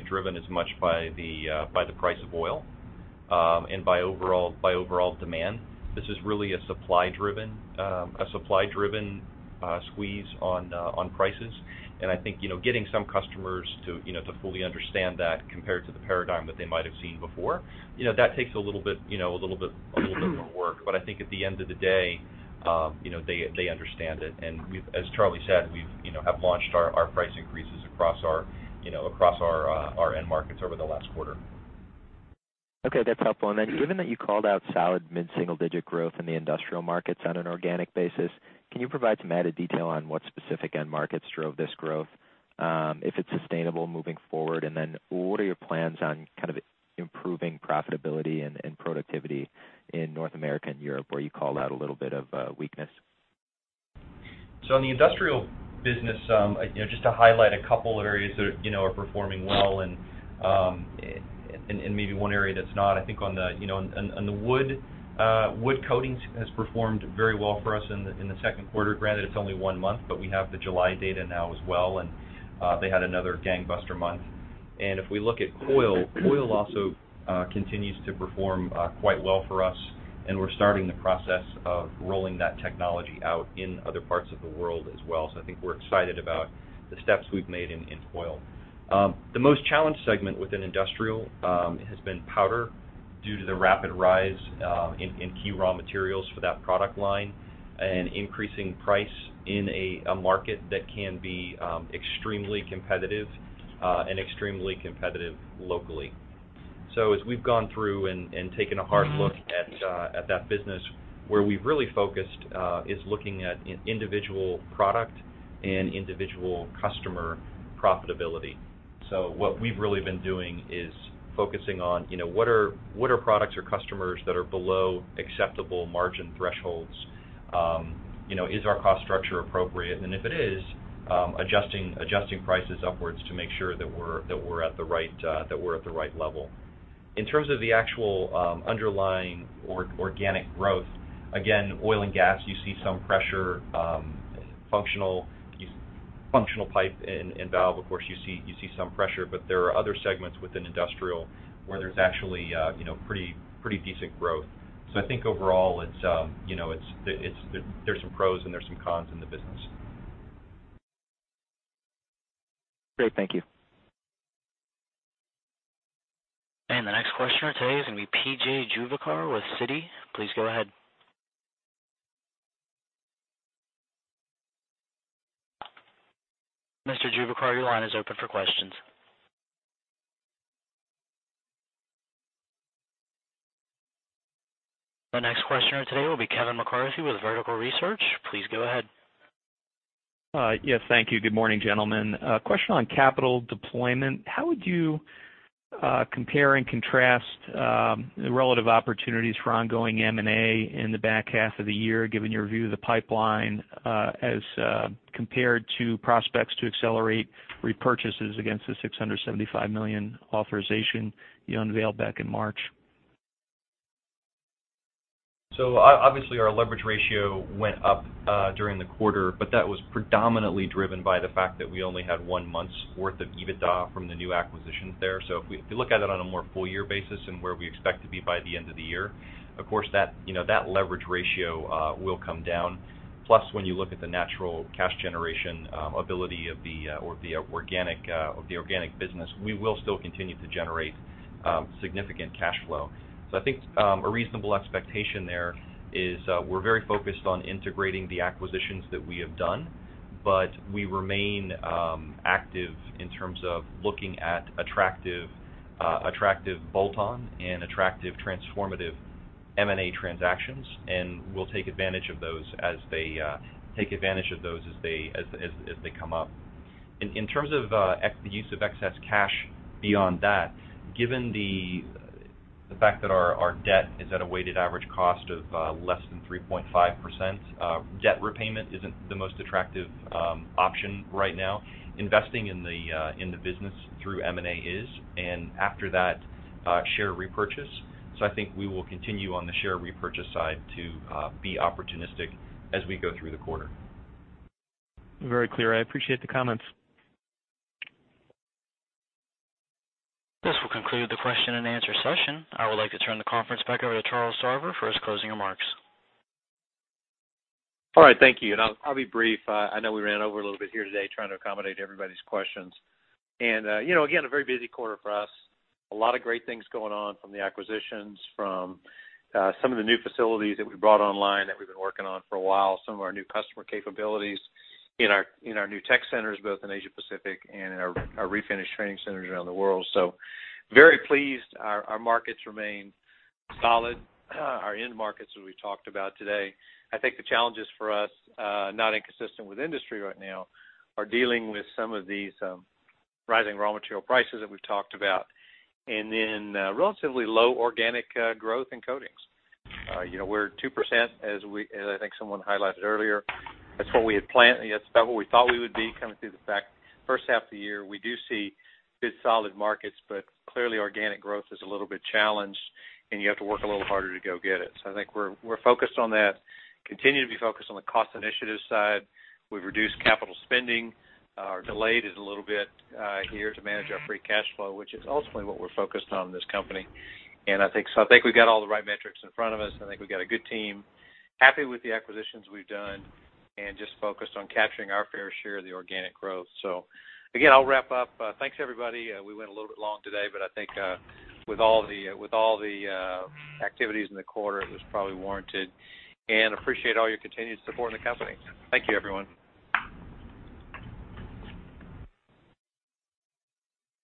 driven as much by the price of oil, and by overall demand. This is really a supply-driven squeeze on prices. I think getting some customers to fully understand that compared to the paradigm that they might have seen before, that takes a little bit more work. I think at the end of the day, they understand it, and as Charlie said, we have launched our price increases across our end markets over the last quarter. Okay, that's helpful. Given that you called out solid mid-single-digit growth in the industrial markets on an organic basis, can you provide some added detail on what specific end markets drove this growth? If it's sustainable moving forward, what are your plans on kind of improving profitability and productivity in North America and Europe, where you called out a little bit of weakness? In the industrial business, just to highlight a couple of areas that are performing well and maybe one area that's not. I think on the Wood Coatings has performed very well for us in the second quarter. Granted, it's only one month, we have the July data now as well, they had another gangbuster month. If we look at coil also continues to perform quite well for us, we're starting the process of rolling that technology out in other parts of the world as well. I think we're excited about the steps we've made in coil. The most challenged segment within industrial has been powder due to the rapid rise in key raw materials for that product line, increasing price in a market that can be extremely competitive, extremely competitive locally. As we've gone through and taken a hard look at that business, where we've really focused is looking at individual product and individual customer profitability. What we've really been doing is focusing on what are products or customers that are below acceptable margin thresholds? Is our cost structure appropriate? If it is, adjusting prices upwards to make sure that we're at the right level. In terms of the actual underlying organic growth, again, oil and gas, you see some pressure. Functional pipe and valve, of course, you see some pressure. There are other segments within industrial where there's actually pretty decent growth. I think overall, there's some pros and there's some cons in the business. Great. Thank you. The next questioner today is going to be P.J. Juvekar with Citi. Please go ahead. Mr. Juvekar, your line is open for questions. The next questioner today will be Kevin McCarthy with Vertical Research. Please go ahead. Yes, thank you. Good morning, gentlemen. A question on capital deployment. How would you compare and contrast the relative opportunities for ongoing M&A in the back half of the year, given your view of the pipeline, as compared to prospects to accelerate repurchases against the $675 million authorization you unveiled back in March? Obviously, our leverage ratio went up during the quarter, but that was predominantly driven by the fact that we only had one month's worth of EBITDA from the new acquisitions there. If you look at it on a more full year basis and where we expect to be by the end of the year, of course, that leverage ratio will come down. Plus, when you look at the natural cash generation ability of the organic business, we will still continue to generate significant cash flow. I think a reasonable expectation there is we're very focused on integrating the acquisitions that we have done, but we remain active in terms of looking at attractive bolt-on and attractive transformative M&A transactions, and we'll take advantage of those as they come up. In terms of the use of excess cash beyond that, given the fact that our debt is at a weighted average cost of less than 3.5%, debt repayment isn't the most attractive option right now. Investing in the business through M&A is, and after that, share repurchase. I think we will continue on the share repurchase side to be opportunistic as we go through the quarter. Very clear. I appreciate the comments. This will conclude the question and answer session. I would like to turn the conference back over to Charles Shaver for his closing remarks. All right. Thank you. I'll be brief. I know we ran over a little bit here today trying to accommodate everybody's questions. Again, a very busy quarter for us. A lot of great things going on from the acquisitions, from some of the new facilities that we brought online that we've been working on for a while, some of our new customer capabilities in our new tech centers, both in Asia Pacific and in our refinish training centers around the world. Very pleased. Our markets remain solid. Our end markets, as we talked about today. I think the challenges for us, not inconsistent with industry right now, are dealing with some of these rising raw material prices that we've talked about, and then relatively low organic growth in coatings. We're 2%, as I think someone highlighted earlier. That's what we had planned, that's about what we thought we would be coming through the first half of the year. We do see good solid markets, clearly organic growth is a little bit challenged, and you have to work a little harder to go get it. I think we're focused on that. Continue to be focused on the cost initiative side. We've reduced capital spending or delayed it a little bit here to manage our free cash flow, which is ultimately what we're focused on in this company. I think we've got all the right metrics in front of us, and I think we've got a good team. Happy with the acquisitions we've done and just focused on capturing our fair share of the organic growth. Again, I'll wrap up. Thanks everybody. We went a little bit long today, I think with all the activities in the quarter, it was probably warranted, appreciate all your continued support in the company. Thank you, everyone.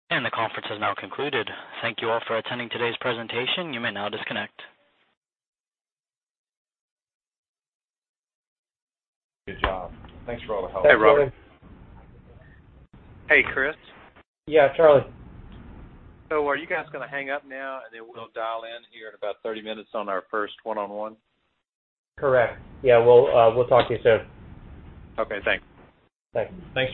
The conference has now concluded. Thank you all for attending today's presentation. You may now disconnect. Good job. Thanks for all the help. Hey, Robert. Hey, Chris. Yeah. Charlie. Are you guys gonna hang up now, and then we'll dial in here in about 30 minutes on our first one-on-one? Correct. Yeah, we'll talk to you soon. Okay, thanks. Bye. Thanks, Charlie